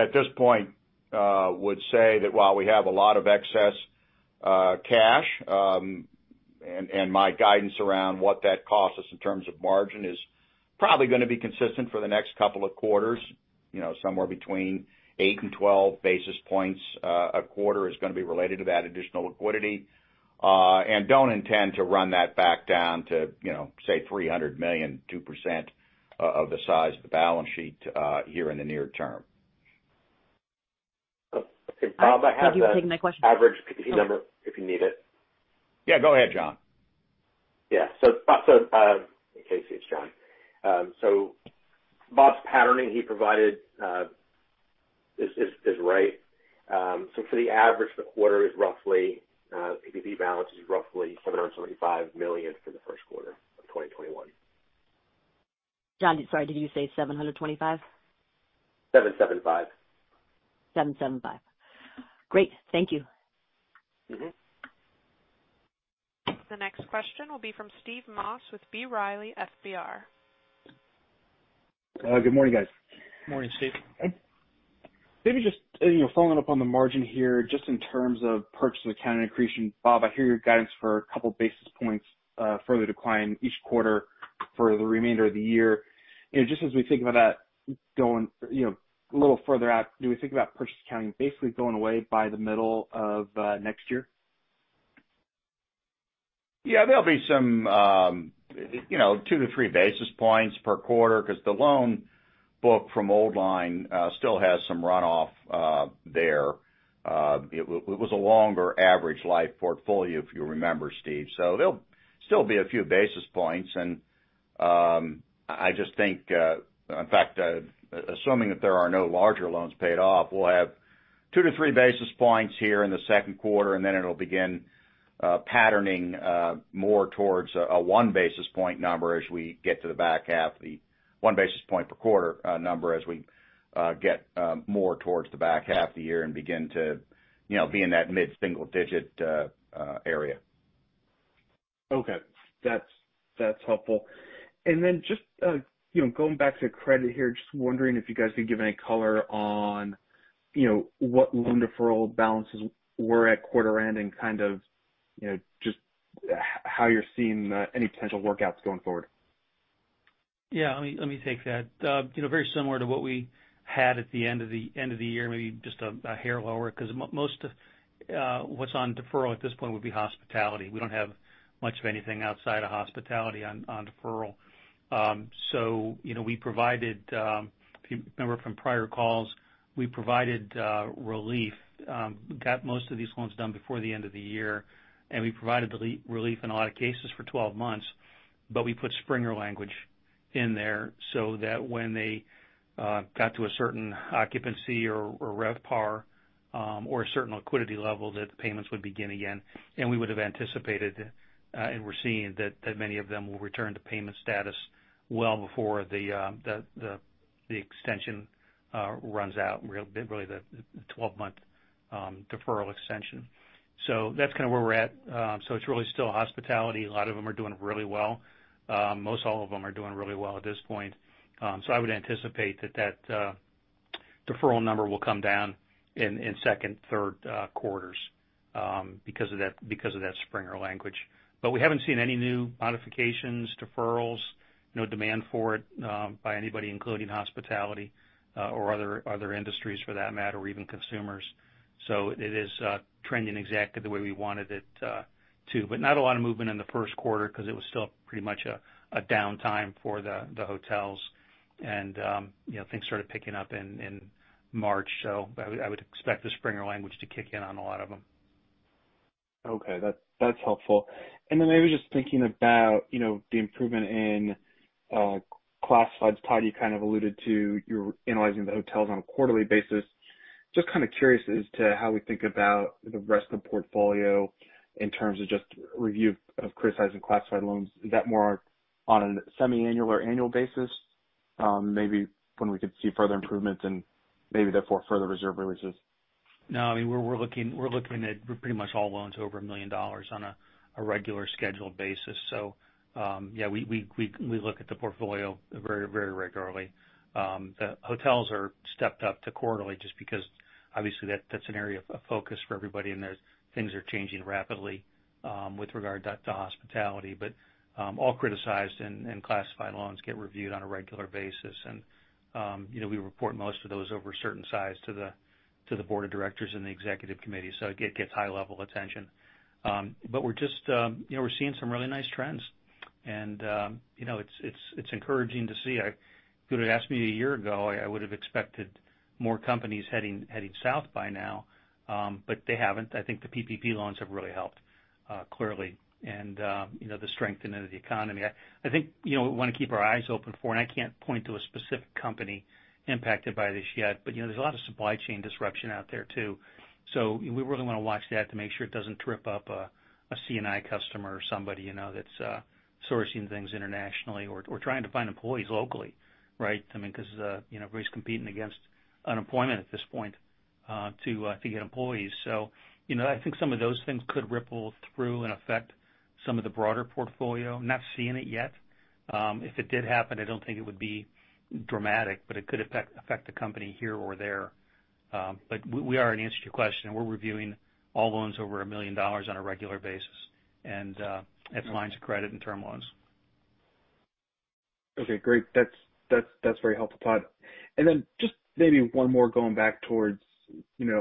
At this point, would say that while we have a lot of excess cash, and my guidance around what that costs us in terms of margin is probably going to be consistent for the next couple of quarters. Somewhere between 8 basis points and 12 basis points a quarter is going to be related to that additional liquidity. Don't intend to run that back down to say $300 million, 2% of the size of the balance sheet here in the near term. Bob, have you taken my question? I have the average PPP number if you need it. Yeah, go ahead, John. Casey, it's John. Bob's patterning he provided is right. For the average, PPP balance is roughly $775 million for the first quarter of 2021. John, sorry, did you say 725? 775. Great, thank you. The next question will be from Steve Moss with B. Riley FBR. Good morning, guys. Morning, Steve. Maybe just following up on the margin here, just in terms of purchase accounting. Bob, I hear your guidance for a couple basis points further decline each quarter for the remainder of the year. Just as we think about that going a little further out, do we think about purchase accounting basically going away by the middle of next year? Yeah, there'll be 2 basis points to 3 basis points per quarter because the loan book from Old Line still has some runoff there. It was a longer average life portfolio, if you remember, Steve. There'll still be a few basis points. In fact, assuming that there are no larger loans paid off, we'll have 2 basis points to 3 basis points here in the second quarter, and then it'll begin patterning more towards a 1 basis point per quarter number as we get more towards the back half of the year and begin to be in that mid-single digit area. Okay. That's helpful. Just going back to credit here, just wondering if you guys could give any color on what loan deferral balances were at quarter end and kind of just how you're seeing any potential workouts going forward. Yeah, let me take that. Very similar to what we had at the end of the year, maybe just a hair lower, because most of what's on deferral at this point would be hospitality. We don't have much of anything outside of hospitality on deferral. We provided, if you remember from prior calls, we provided relief. Got most of these loans done before the end of the year, and we provided relief in a lot of cases for 12 months. We put springing language in there so that when they got to a certain occupancy or RevPAR or a certain liquidity level, that the payments would begin again. We would have anticipated and we're seeing that many of them will return to payment status well before the extension runs out. Really the 12-month deferral extension. That's kind of where we're at. It's really still hospitality. A lot of them are doing really well. Most all of them are doing really well at this point. I would anticipate that deferral number will come down in second, third quarters because of that springing language. We haven't seen any new modifications, deferrals. No demand for it by anybody, including hospitality or other industries for that matter, or even consumers. It is trending exactly the way we wanted it to. Not a lot of movement in the first quarter because it was still pretty much a downtime for the hotels and things started picking up in March. I would expect the springing language to kick in on a lot of them. Okay. That's helpful. Maybe just thinking about the improvement in classifieds. Todd, you kind of alluded to you're analyzing the hotels on a quarterly basis. Just kind of curious as to how we think about the rest of the portfolio in terms of just review of criticized and classified loans. Is that more on a semiannual or annual basis? Maybe when we could see further improvements and maybe therefore further reserve releases. No, we're looking at pretty much all loans over $1 million on a regular scheduled basis. Yeah, we look at the portfolio very regularly. The hotels are stepped up to quarterly just because obviously that's an area of focus for everybody, and things are changing rapidly with regard to hospitality. All criticized and classified loans get reviewed on a regular basis. We report most of those over a certain size to the board of directors and the executive committee. It gets high-level attention. We're seeing some really nice trends. It's encouraging to see. If you would've asked me a year ago, I would've expected more companies heading south by now. They haven't. I think the PPP loans have really helped clearly and the strength in the economy. I think we want to keep our eyes open for, and I can't point to a specific company impacted by this yet, but there's a lot of supply chain disruption out there, too. We really want to watch that to make sure it doesn't trip up a C&I customer or somebody that's sourcing things internationally or trying to find employees locally, right? Because everybody's competing against unemployment at this point to get employees. I think some of those things could ripple through and affect some of the broader portfolio. Not seeing it yet. If it did happen, I don't think it would be dramatic, but it could affect the company here or there. We are, in answer to your question, we're reviewing all loans over $1 million on a regular basis, and that's lines of credit and term loans. Okay, great. That's very helpful, Todd. Then just maybe one more going back towards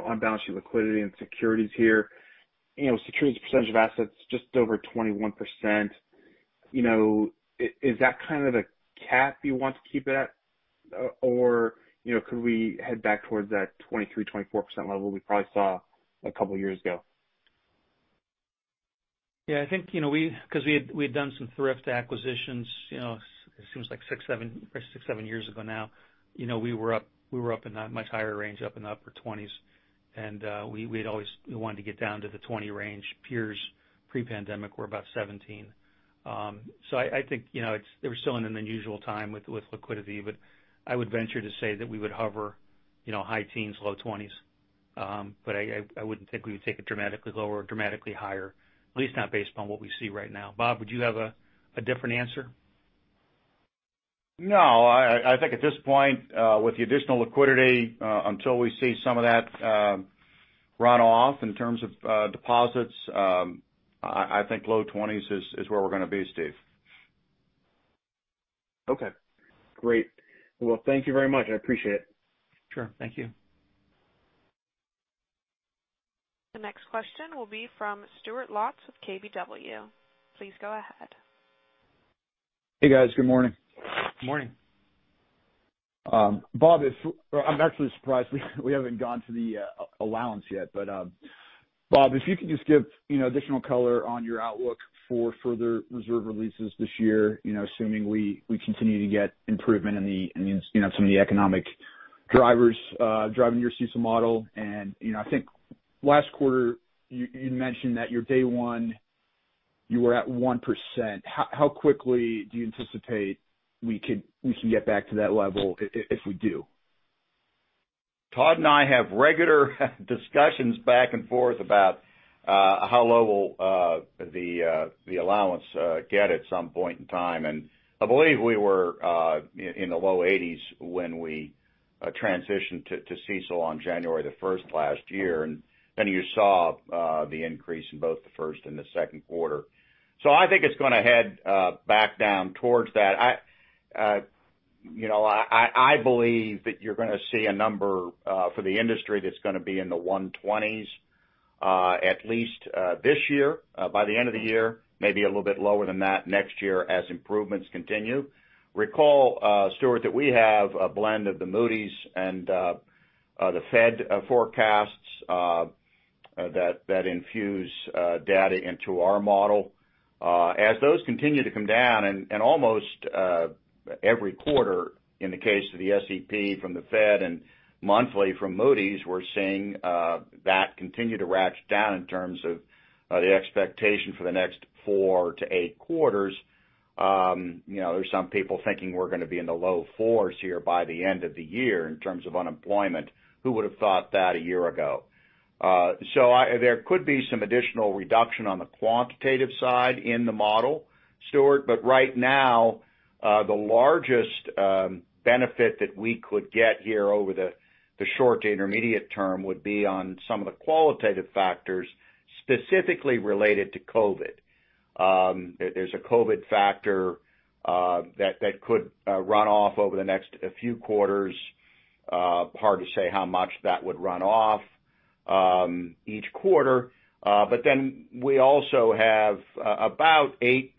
on balance sheet liquidity and securities here. Securities percentage of assets just over 21%. Is that kind of the cap you want to keep it at? Or could we head back towards that 23%, 24% level we probably saw a couple of years ago? Yeah, I think because we had done some thrift acquisitions it seems like six, seven years ago now. We were up in that much higher range, up in the upper 20s, and we wanted to get down to the 20 range. Peers pre-pandemic were about 17. I think we're still in an unusual time with liquidity, but I would venture to say that we would hover high teens, low 20s. I wouldn't think we would take it dramatically lower or dramatically higher, at least not based upon what we see right now. Bob, would you have a different answer? No, I think at this point with the additional liquidity until we see some of that run off in terms of deposits, I think low 20s is where we're going to be, Steve. Okay, great. Well, thank you very much. I appreciate it. Sure. Thank you. The next question will be from Stuart Lotz with KBW. Please go ahead. Hey, guys. Good morning. Morning. Bob, I'm actually surprised we haven't gotten to the allowance yet. Bob, if you could just give additional color on your outlook for further reserve releases this year, assuming we continue to get improvement in some of the economic drivers driving your CECL model. I think last quarter you mentioned that your day one, you were at 1%. How quickly do you anticipate we can get back to that level if we do? Todd and I have regular discussions back and forth about how low will the allowance get at some point in time. I believe we were in the low 80s when we transitioned to CECL on January the 1st last year. You saw the increase in both the first and the second quarter. I think it's going to head back down towards that. I believe that you're going to see a number for the industry that's going to be in the 120s at least this year, by the end of the year. Maybe a little bit lower than that next year as improvements continue. Recall, Catherine Mealor, that we have a blend of the Moody's and the Fed forecasts that infuse data into our model. As those continue to come down, almost every quarter in the case of the SEP from the Fed and monthly from Moody's, we're seeing that continue to ratchet down in terms of the expectation for the next four to eight quarters. There's some people thinking we're going to be in the low fours here by the end of the year in terms of unemployment. Who would've thought that a year ago? There could be some additional reduction on the quantitative side in the model, Catherine Mealor. Right now, the largest benefit that we could get here over the short to intermediate term would be on some of the qualitative factors specifically related to COVID. There's a COVID factor that could run off over the next few quarters. Hard to say how much that would run off each quarter. We also have about 8%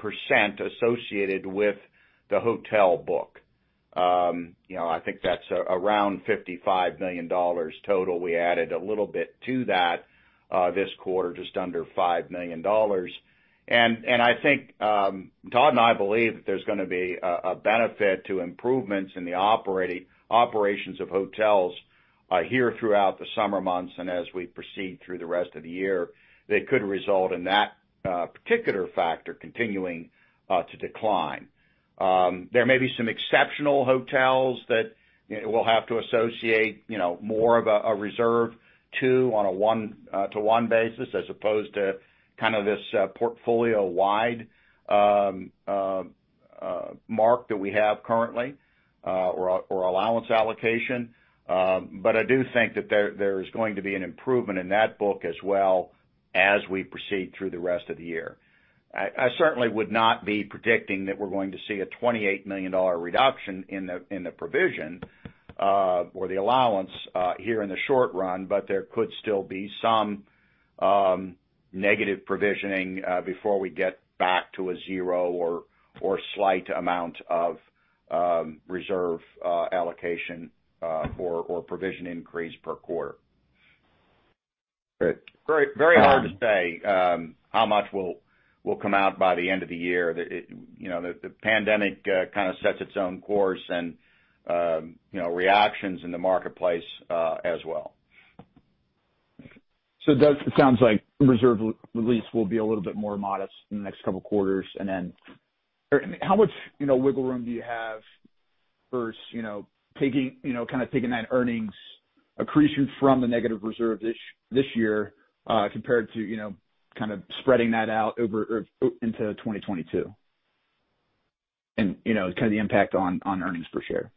associated with the hotel book. I think that's around $55 million total. We added a little bit to that this quarter, just under $5 million. Todd and I believe that there's going to be a benefit to improvements in the operations of hotels here throughout the summer months and as we proceed through the rest of the year, that could result in that particular factor continuing to decline. There may be some exceptional hotels that we'll have to associate more of a reserve to on a one-to-one basis, as opposed to this portfolio-wide mark that we have currently or allowance allocation. I do think that there is going to be an improvement in that book as well as we proceed through the rest of the year. I certainly would not be predicting that we're going to see a $28 million reduction in the provision or the allowance here in the short run, but there could still be some negative provisioning before we get back to a zero or slight amount of reserve allocation or provision increase per quarter. Great. Very hard to say how much will come out by the end of the year. The pandemic kind of sets its own course and reactions in the marketplace as well. It sounds like reserve release will be a little bit more modest in the next couple of quarters. How much wiggle room do you have versus taking that earnings accretion from the negative reserve this year compared to spreading that out into 2022, and the impact on earnings per share?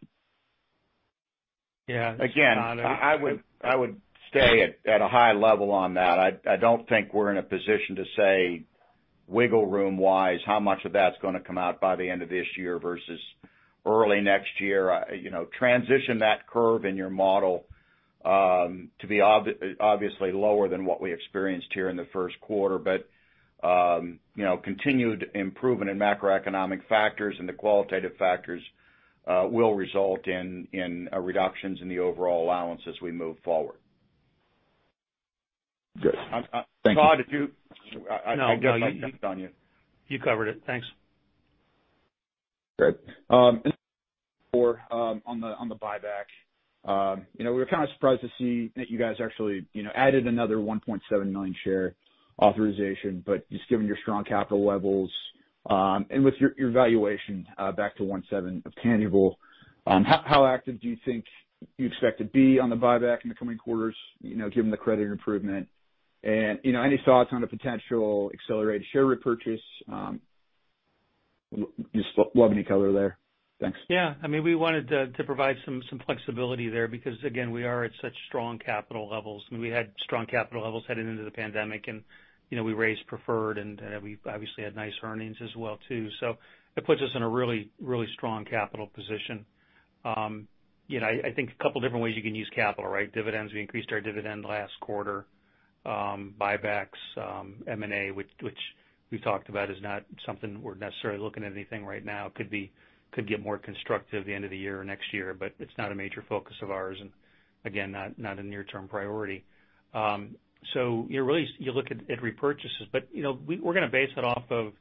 Yeah. I would stay at a high level on that. I don't think we're in a position to say, wiggle room-wise, how much of that's going to come out by the end of this year versus early next year. Transition that curve in your model to be obviously lower than what we experienced here in the first quarter. Continued improvement in macroeconomic factors and the qualitative factors will result in reductions in the overall allowance as we move forward. Good. Thank you. Todd, I don't know if I jumped on you. No. You covered it. Thanks. Great. On the buyback. We were kind of surprised to see that you guys actually added another 1.7 million share authorization. Just given your strong capital levels and with your valuation back to 1.7 of tangible, how active do you think you expect to be on the buyback in the coming quarters given the credit improvement? Any thoughts on a potential accelerated share repurchase? Just love any color there. Thanks. We wanted to provide some flexibility there because, again, we are at such strong capital levels. We had strong capital levels headed into the pandemic, and we raised preferred, and we've obviously had nice earnings as well too. It puts us in a really strong capital position. I think a couple of different ways you can use capital, right? Dividends. We increased our dividend last quarter. Buybacks. M&A, which we've talked about, is not something we're necessarily looking at anything right now. Could get more constructive at the end of the year or next year, but it's not a major focus of ours, and again, not a near-term priority. You look at repurchases. We're going to base it off of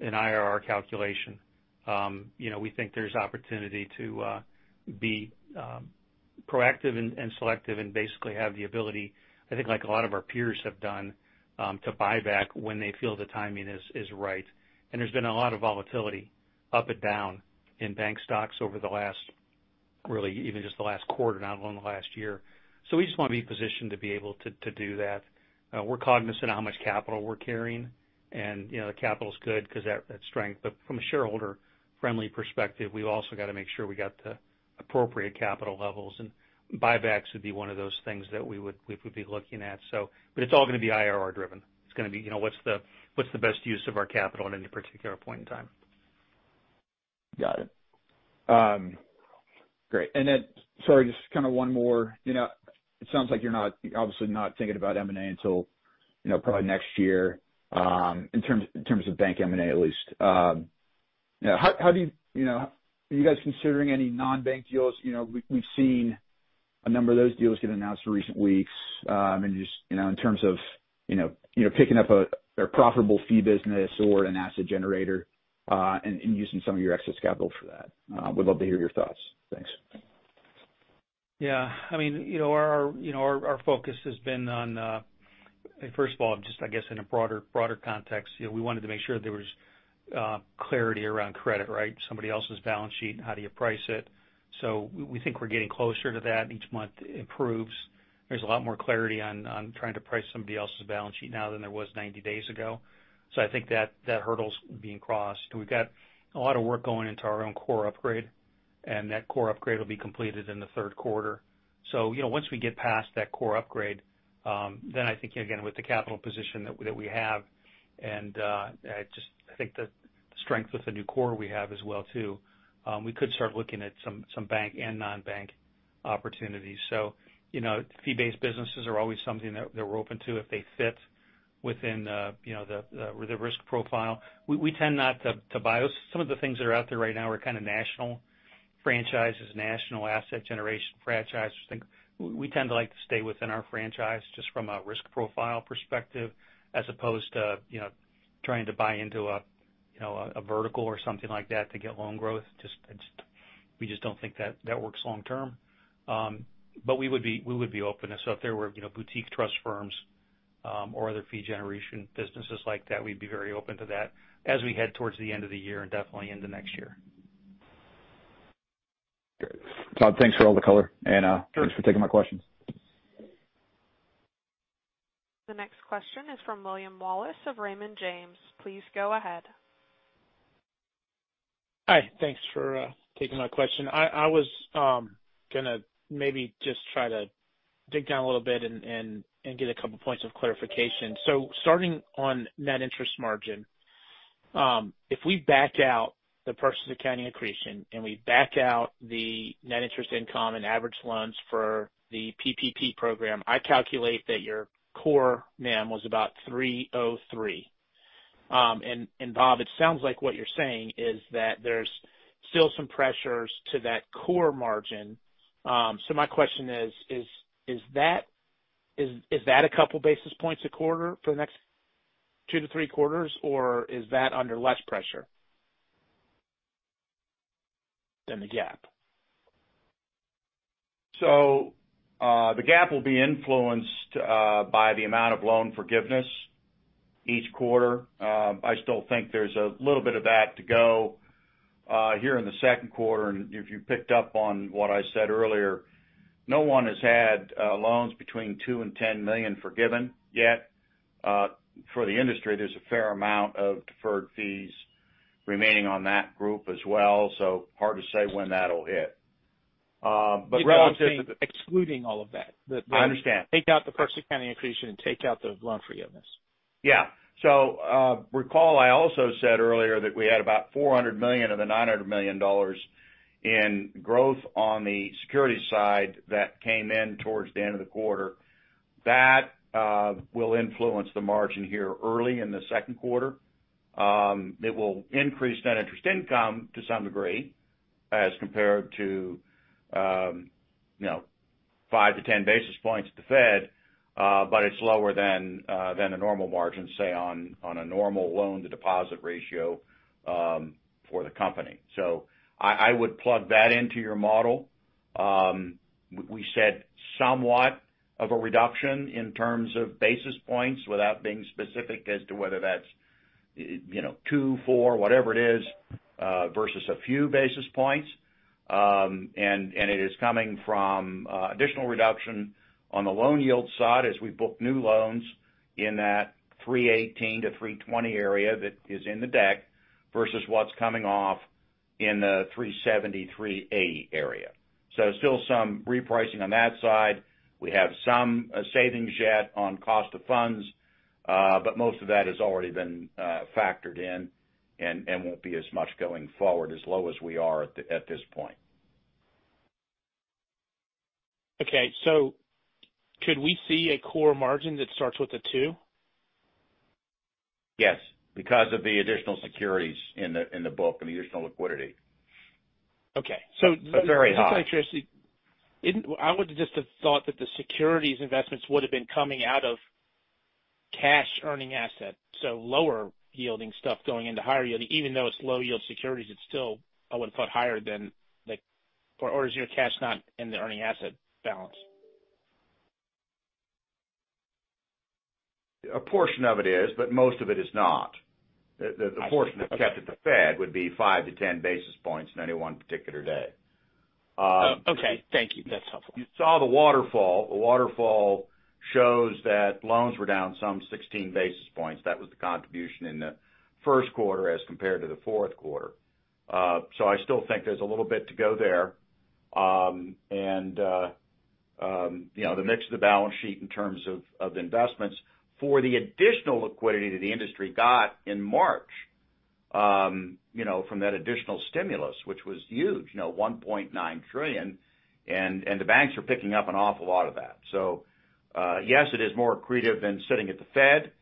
an IRR calculation. We think there's opportunity to be proactive and selective and basically have the ability, I think like a lot of our peers have done, to buy back when they feel the timing is right. There's been a lot of volatility up and down in bank stocks over even just the last quarter, not only the last year. We just want to be positioned to be able to do that. We're cognizant of how much capital we're carrying, and the capital's good because that's strength. From a shareholder-friendly perspective, we've also got to make sure we got the appropriate capital levels, and buybacks would be one of those things that we would be looking at. It's all going to be IRR driven. It's going to be what's the best use of our capital at any particular point in time. Got it. Great. Sorry, just one more. It sounds like you're obviously not thinking about M&A until probably next year in terms of bank M&A at least. Are you guys considering any non-bank deals? We've seen a number of those deals get announced in recent weeks. Just in terms of picking up a profitable fee business or an asset generator and using some of your excess capital for that. Would love to hear your thoughts. Thanks. Yeah. Our focus has been on, first of all, just I guess in a broader context, we wanted to make sure there was clarity around credit, right? Somebody else's balance sheet and how do you price it. We think we're getting closer to that. Each month improves. There's a lot more clarity on trying to price somebody else's balance sheet now than there was 90 days ago. I think that hurdle's being crossed. We've got a lot of work going into our own core upgrade. That core upgrade will be completed in the third quarter. Once we get past that core upgrade, then I think, again, with the capital position that we have and just, I think the strength with the new core we have as well too, we could start looking at some bank and non-bank opportunities. Fee-based businesses are always something that we're open to if they fit within the risk profile. We tend not to buy Some of the things that are out there right now are kind of national franchises, national asset generation franchises. I think we tend to like to stay within our franchise just from a risk profile perspective, as opposed to trying to buy into a vertical or something like that to get loan growth. We just don't think that works long term. We would be open. If there were boutique trust firms, or other fee generation businesses like that, we'd be very open to that as we head towards the end of the year and definitely into next year. Great. Todd, thanks for all the color. Sure. Thanks for taking my questions. The next question is from William Wallace of Raymond James. Please go ahead. Hi. Thanks for taking my question. I was gonna maybe just try to dig down a little bit and get a couple points of clarification. Starting on net interest margin. If we back out the purchase accounting accretion, and we back out the net interest income and average loans for the PPP Program, I calculate that your core NIM was about 303. Bob, it sounds like what you're saying is that there's still some pressures to that core margin. My question is that a couple basis points a quarter for the next two to three quarters, or is that under less pressure than the GAAP? The GAAP will be influenced by the amount of loan forgiveness each quarter. I still think there's a little bit of that to go here in the second quarter. If you picked up on what I said earlier, no one has had loans between two and $10 million forgiven yet. For the industry, there's a fair amount of deferred fees remaining on that group as well. Hard to say when that'll hit. No, I'm saying excluding all of that. I understand. Take out the purchase accounting accretion and take out the loan forgiveness. Yeah. Recall I also said earlier that we had about $400 million of the $900 million in growth on the securities side that came in towards the end of the quarter. That will influence the margin here early in the second quarter. It will increase net interest income to some degree as compared to 5 basis point to 10 basis points at the Fed. It's lower than the normal margin, say, on a normal loan-to-deposit ratio for the company. I would plug that into your model. We said somewhat of a reduction in terms of basis points without being specific as to whether that's 2 basis point, 4basis point, whatever it is, versus a few basis points. It is coming from additional reduction on the loan yield side as we book new loans in that 318-320 area that is in the deck, versus what's coming off in the 3.73 area. Still some repricing on that side. We have some savings yet on cost of funds. Most of that has already been factored in and won't be as much going forward as low as we are at this point. Okay. Could we see a core margin that starts with a two? Yes, because of the additional securities in the book and the additional liquidity. Okay. Very high. Just out of curiosity, I would just have thought that the securities investments would've been coming out of cash-earning assets, so lower yielding stuff going into higher yielding. Even though it's low yield securities, it's still, I would've thought, higher than, like, or is your cash not in the earning asset balance? A portion of it is, but most of it is not. I see. Okay. The portion that's kept at the Fed would be 5 basis point to 10 basis points in any one particular day. Okay. Thank you. That's helpful. You saw the waterfall. The waterfall shows that loans were down some 16 basis points. That was the contribution in the first quarter as compared to the fourth quarter. I still think there's a little bit to go there. The mix of the balance sheet in terms of investments for the additional liquidity that the industry got in March, from that additional stimulus, which was huge, $1.9 trillion, and the banks are picking up an awful lot of that. Yes, it is more accretive than sitting at the Fed.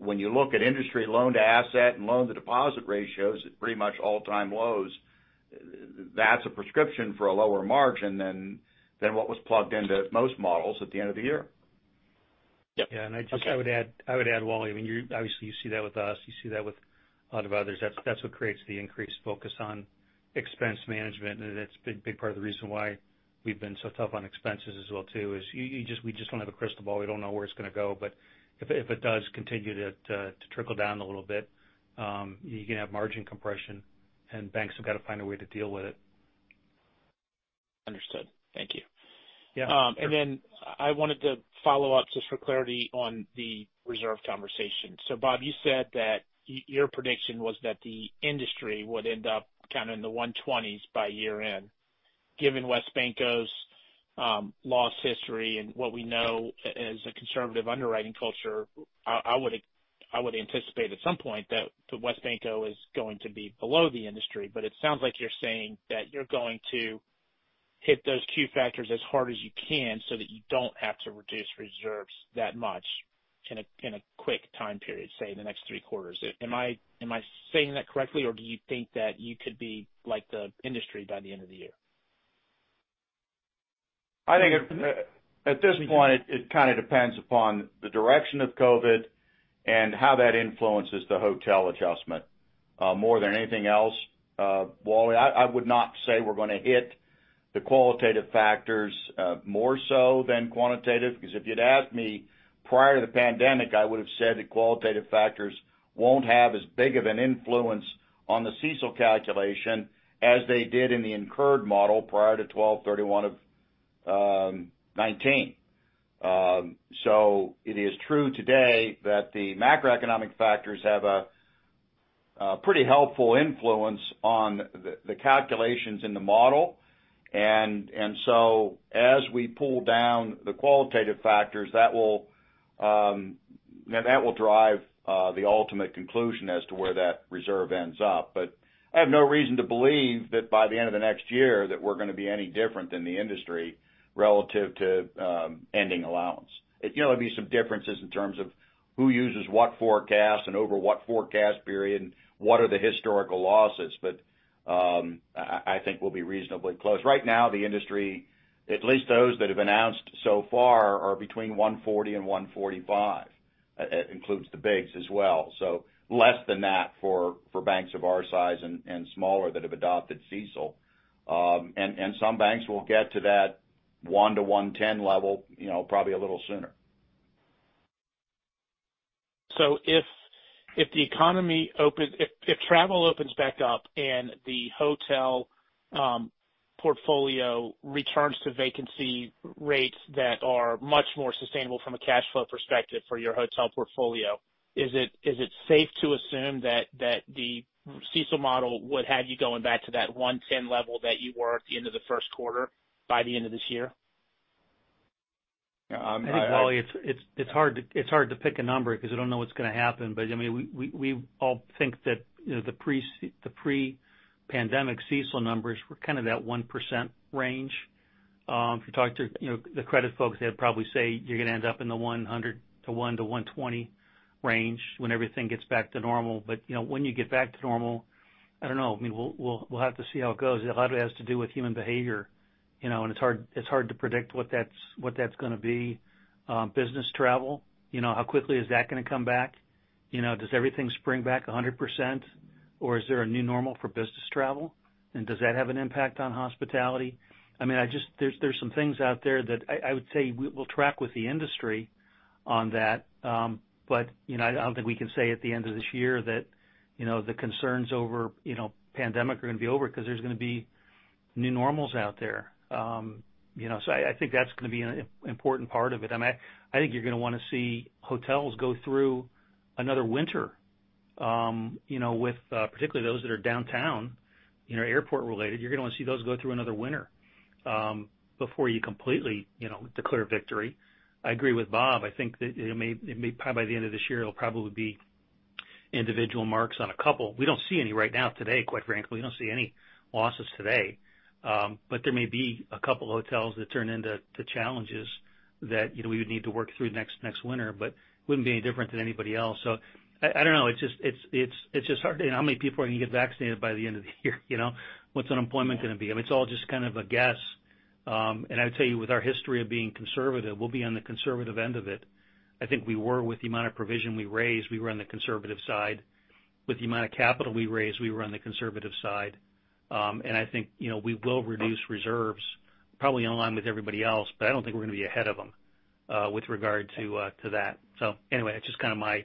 When you look at industry loan-to-asset and loan-to-deposit ratios at pretty much all-time lows, that's a prescription for a lower margin than what was plugged into most models at the end of the year. Yep. Okay. Yeah, I would add, Wally, I mean, obviously you see that with us, you see that with a lot of others. That's what creates the increased focus on expense management. That's big part of the reason why we've been so tough on expenses as well too, is we just don't have a crystal ball. We don't know where it's going to go. If it does continue to trickle down a little bit, you can have margin compression, and banks have got to find a way to deal with it. Understood. Thank you. Yeah. Sure. I wanted to follow up just for clarity on the reserve conversation. Bob, you said that your prediction was that the industry would end up kind of in the 120s by year-end. Given WesBanco's loss history and what we know as a conservative underwriting culture, I would anticipate at some point that WesBanco is going to be below the industry. It sounds like you're saying that you're going to hit those key factors as hard as you can so that you don't have to reduce reserves that much in a quick time period, say in the next three quarters. Am I saying that correctly, or do you think that you could be like the industry by the end of the year? I think at this point, it kind of depends upon the direction of COVID and how that influences the hotel adjustment, more than anything else. Wally, I would not say we're going to hit the qualitative factors more so than quantitative, because if you'd asked me prior to the pandemic, I would've said the qualitative factors won't have as big of an influence on the CECL calculation as they did in the incurred model prior to 12/31/2019. It is true today that the macroeconomic factors have a pretty helpful influence on the calculations in the model. As we pull down the qualitative factors that will drive the ultimate conclusion as to where that reserve ends up. I have no reason to believe that by the end of the next year, that we're going to be any different than the industry relative to ending allowance. There'll be some differences in terms of who uses what forecast and over what forecast period, and what are the historical losses. I think we'll be reasonably close. Right now, the industry, at least those that have announced so far, are between 140 and 145, includes the bigs as well. Less than that for banks of our size and smaller that have adopted CECL. Some banks will get to that one-110 level probably a little sooner. If travel opens back up and the hotel portfolio returns to vacancy rates that are much more sustainable from a cash flow perspective for your hotel portfolio, is it safe to assume that the CECL model would have you going back to that 110 level that you were at the end of the first quarter, by the end of this year? I- I think, William Wallace, it's hard to pick a number because we don't know what's going to happen. We all think that the pre-pandemic CECL numbers were kind of that 1% range. If you talk to the credit folks, they'd probably say you're going to end up in the 100 to one to 120 range when everything gets back to normal. When you get back to normal, I don't know. We'll have to see how it goes. A lot of it has to do with human behavior, and it's hard to predict what that's going to be. Business travel, how quickly is that going to come back? Does everything spring back 100% or is there a new normal for business travel? Does that have an impact on hospitality? There's some things out there that I would say we will track with the industry on that. I don't think we can say at the end of this year that the concerns over pandemic are going to be over because there's going to be new normals out there. I think that's going to be an important part of it. I think you're going to want to see hotels go through another winter. Particularly those that are downtown, airport related, you're going to want to see those go through another winter before you completely declare victory. I agree with Bob. I think that by the end of this year, it'll probably be individual marks on a couple. We don't see any right now today, quite frankly. We don't see any losses today. There may be a couple hotels that turn into challenges that we would need to work through next winter, but it wouldn't be any different than anybody else. I don't know. It's just hard to know how many people are going to get vaccinated by the end of the year. What's unemployment going to be? It's all just kind of a guess. I would tell you with our history of being conservative, we'll be on the conservative end of it. I think we were with the amount of provision we raised. We were on the conservative side. With the amount of capital we raised, we were on the conservative side. I think we will reduce reserves probably in line with everybody else, but I don't think we're going to be ahead of them, with regard to that. Anyway, that's just kind of my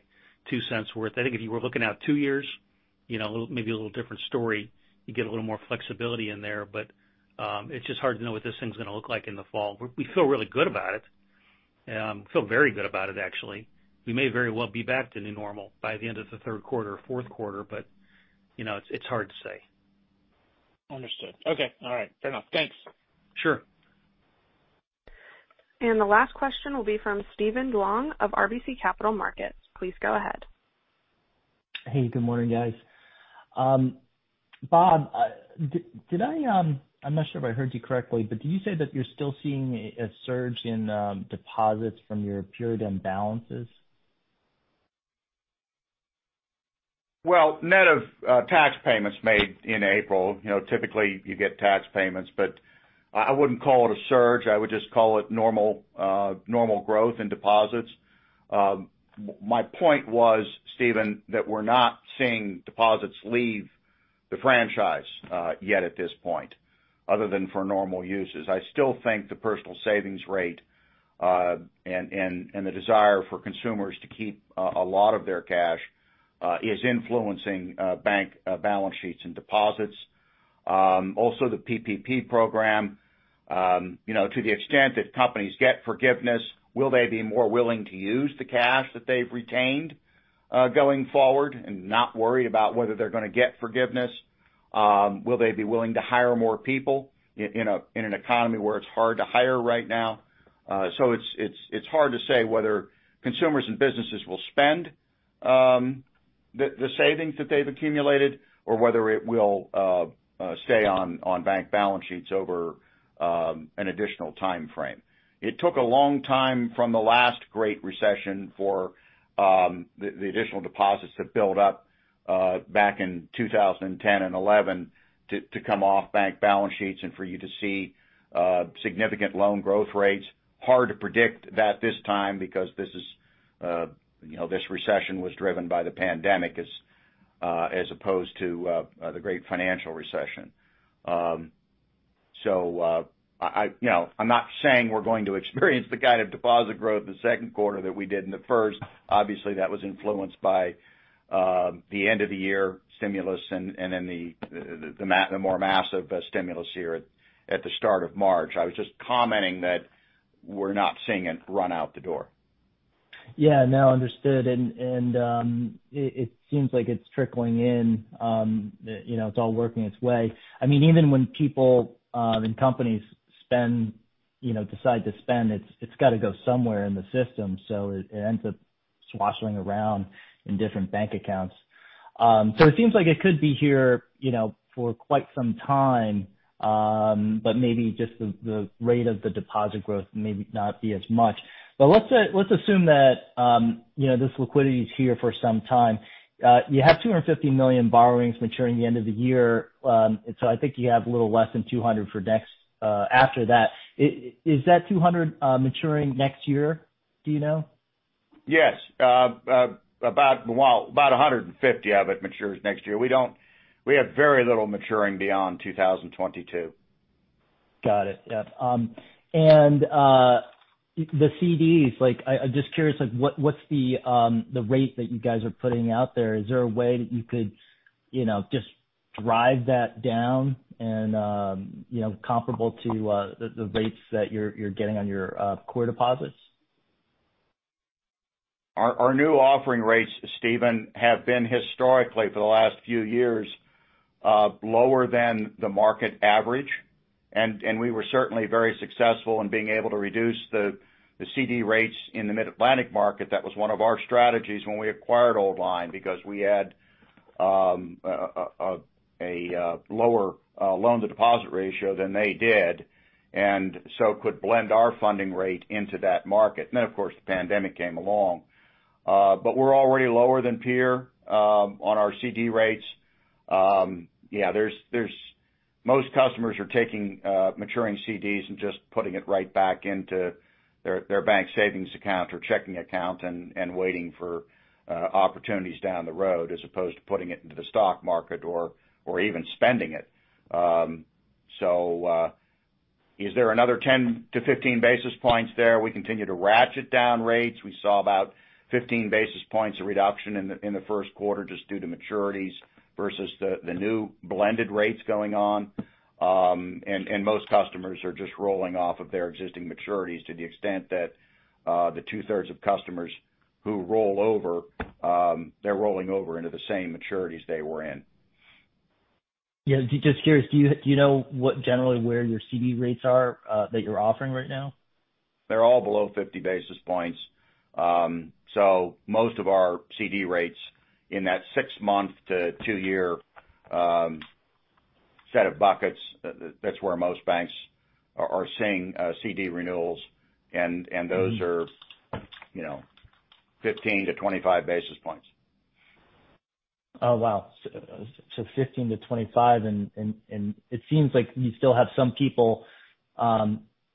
two cents worth. I think if you were looking out two years, maybe a little different story. You get a little more flexibility in there. It's just hard to know what this thing's going to look like in the fall. We feel really good about it. Feel very good about it, actually. We may very well be back to the new normal by the end of the third quarter or fourth quarter. It's hard to say. Understood. Okay. All right. Fair enough. Thanks. Sure. The last question will be from Steven Duong of RBC Capital Markets. Please go ahead. Hey, good morning, guys. Bob, I'm not sure if I heard you correctly, but did you say that you're still seeing a surge in deposits from your period end balances? Well, net of tax payments made in April. Typically, you get tax payments, but I wouldn't call it a surge. I would just call it normal growth in deposits. My point was, Steve Moss, that we're not seeing deposits leave the franchise yet at this point, other than for normal uses. I still think the personal savings rate and the desire for consumers to keep a lot of their cash is influencing bank balance sheets and deposits. Also, the PPP program. To the extent that companies get forgiveness, will they be more willing to use the cash that they've retained going forward and not worry about whether they're going to get forgiveness? Will they be willing to hire more people in an economy where it's hard to hire right now? It's hard to say whether consumers and businesses will spend the savings that they've accumulated or whether it will stay on bank balance sheets over an additional timeframe. It took a long time from the last Great Recession for the additional deposits to build up back in 2010 and 2011 to come off bank balance sheets and for you to see significant loan growth rates. Hard to predict that this time because this recession was driven by the pandemic as opposed to the Great Financial Recession. I'm not saying we're going to experience the kind of deposit growth in the second quarter that we did in the first. Obviously, that was influenced by the end-of-the-year stimulus and then the more massive stimulus here at the start of March. I was just commenting that we're not seeing it run out the door. Yeah. No, understood. It seems like it's trickling in. It's all working its way. Even when people and companies decide to spend, it's got to go somewhere in the system. It ends up sloshing around in different bank accounts. It seems like it could be here for quite some time. Maybe just the rate of the deposit growth may not be as much. Let's assume that this liquidity is here for some time. You have $250 million borrowings maturing at the end of the year. I think you have a little less than $200 after that. Is that $200 maturing next year? Do you know? Yes. About $150 of it matures next year. We have very little maturing beyond 2022. Got it. Yep. The CDs, I'm just curious, what's the rate that you guys are putting out there? Is there a way that you could just drive that down and comparable to the rates that you're getting on your core deposits? Our new offering rates, Steve Moss, have been historically, for the last few years, lower than the market average. We were certainly very successful in being able to reduce the CD rates in the Mid-Atlantic market. That was one of our strategies when we acquired Old Line because we had a lower loan-to-deposit ratio than they did and so could blend our funding rate into that market. Of course, the pandemic came along. We're already lower than peer on our CD rates. Most customers are taking maturing CDs and just putting it right back into their bank savings account or checking account and waiting for opportunities down the road as opposed to putting it into the stock market or even spending it. Is there another 10 basis point -15 basis points there? We continue to ratchet down rates. We saw about 15 basis points of reduction in the first quarter just due to maturities versus the new blended rates going on. Most customers are just rolling off of their existing maturities to the extent that the 2/3 of customers who roll over, they're rolling over into the same maturities they were in. Yeah. Just curious, do you know generally where your CD rates are that you're offering right now? They're all below 50 basis points. Most of our CD rates in that six-month to two-year set of buckets, that's where most banks are seeing CD renewals. Those are 15 basis point to 25 basis points. Oh, wow. 15 basis point to 25 basis point. It seems like you still have some people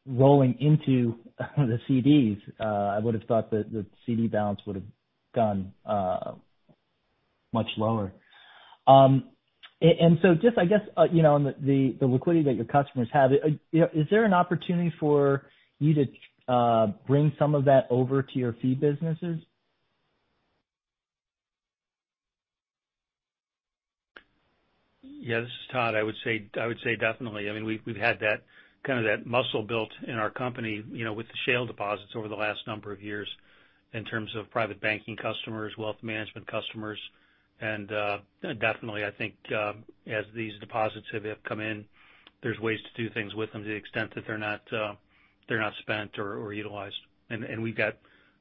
rolling into the CDs. I would've thought that the CD balance would've gone much lower. Just, I guess, the liquidity that your customers have, is there an opportunity for you to bring some of that over to your fee businesses? This is Todd. I would say definitely. We've had kind of that muscle built in our company with the shale deposits over the last number of years in terms of private banking customers, wealth management customers. Definitely, I think as these deposits have come in, there's ways to do things with them to the extent that they're not spent or utilized. We've got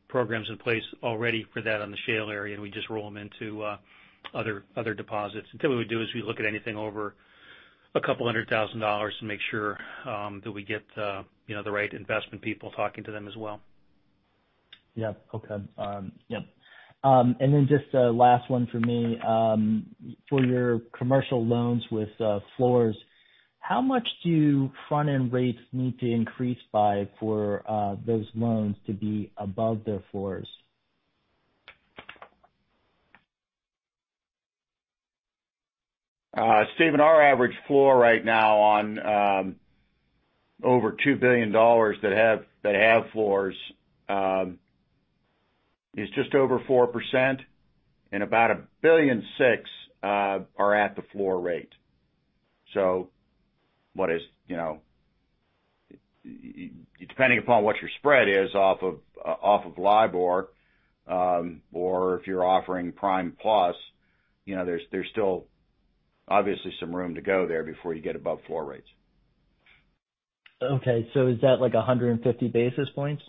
programs in place already for that on the shale area, and we just roll them into other deposits. Typically, what we do is we look at anything over a couple hundred thousand dollars and make sure that we get the right investment people talking to them as well. Yeah. Okay. Yep. Then just a last one for me. For your commercial loans with floors, how much do front-end rates need to increase by for those loans to be above their floors? Steven, our average floor right now on over $2 billion that have floors is just over 4%, and about $1.6 billion are at the floor rate. Depending upon what your spread is off of LIBOR, or if you're offering prime plus, there's still obviously some room to go there before you get above floor rates. Okay. Is that like 150 basis points?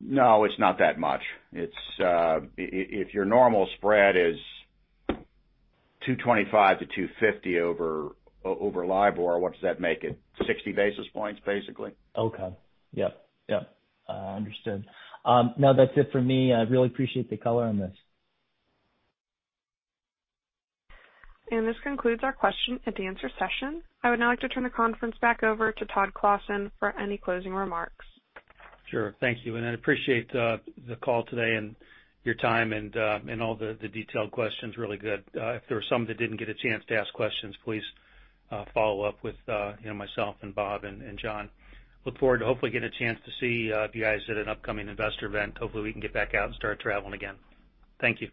No, it's not that much. If your normal spread is 225-250 over LIBOR, what does that make it? 60 basis points, basically. Okay. Yep. Understood. No, that's it for me. I really appreciate the color on this. This concludes our question-and-answer session. I would now like to turn the conference back over to Todd Clossin for any closing remarks. Sure. Thank you. I appreciate the call today and your time and all the detailed questions. Really good. If there were some that didn't get a chance to ask questions, please follow up with myself and Bob and John. Look forward to hopefully get a chance to see a few guys at an upcoming investor event. Hopefully, we can get back out and start traveling again. Thank you.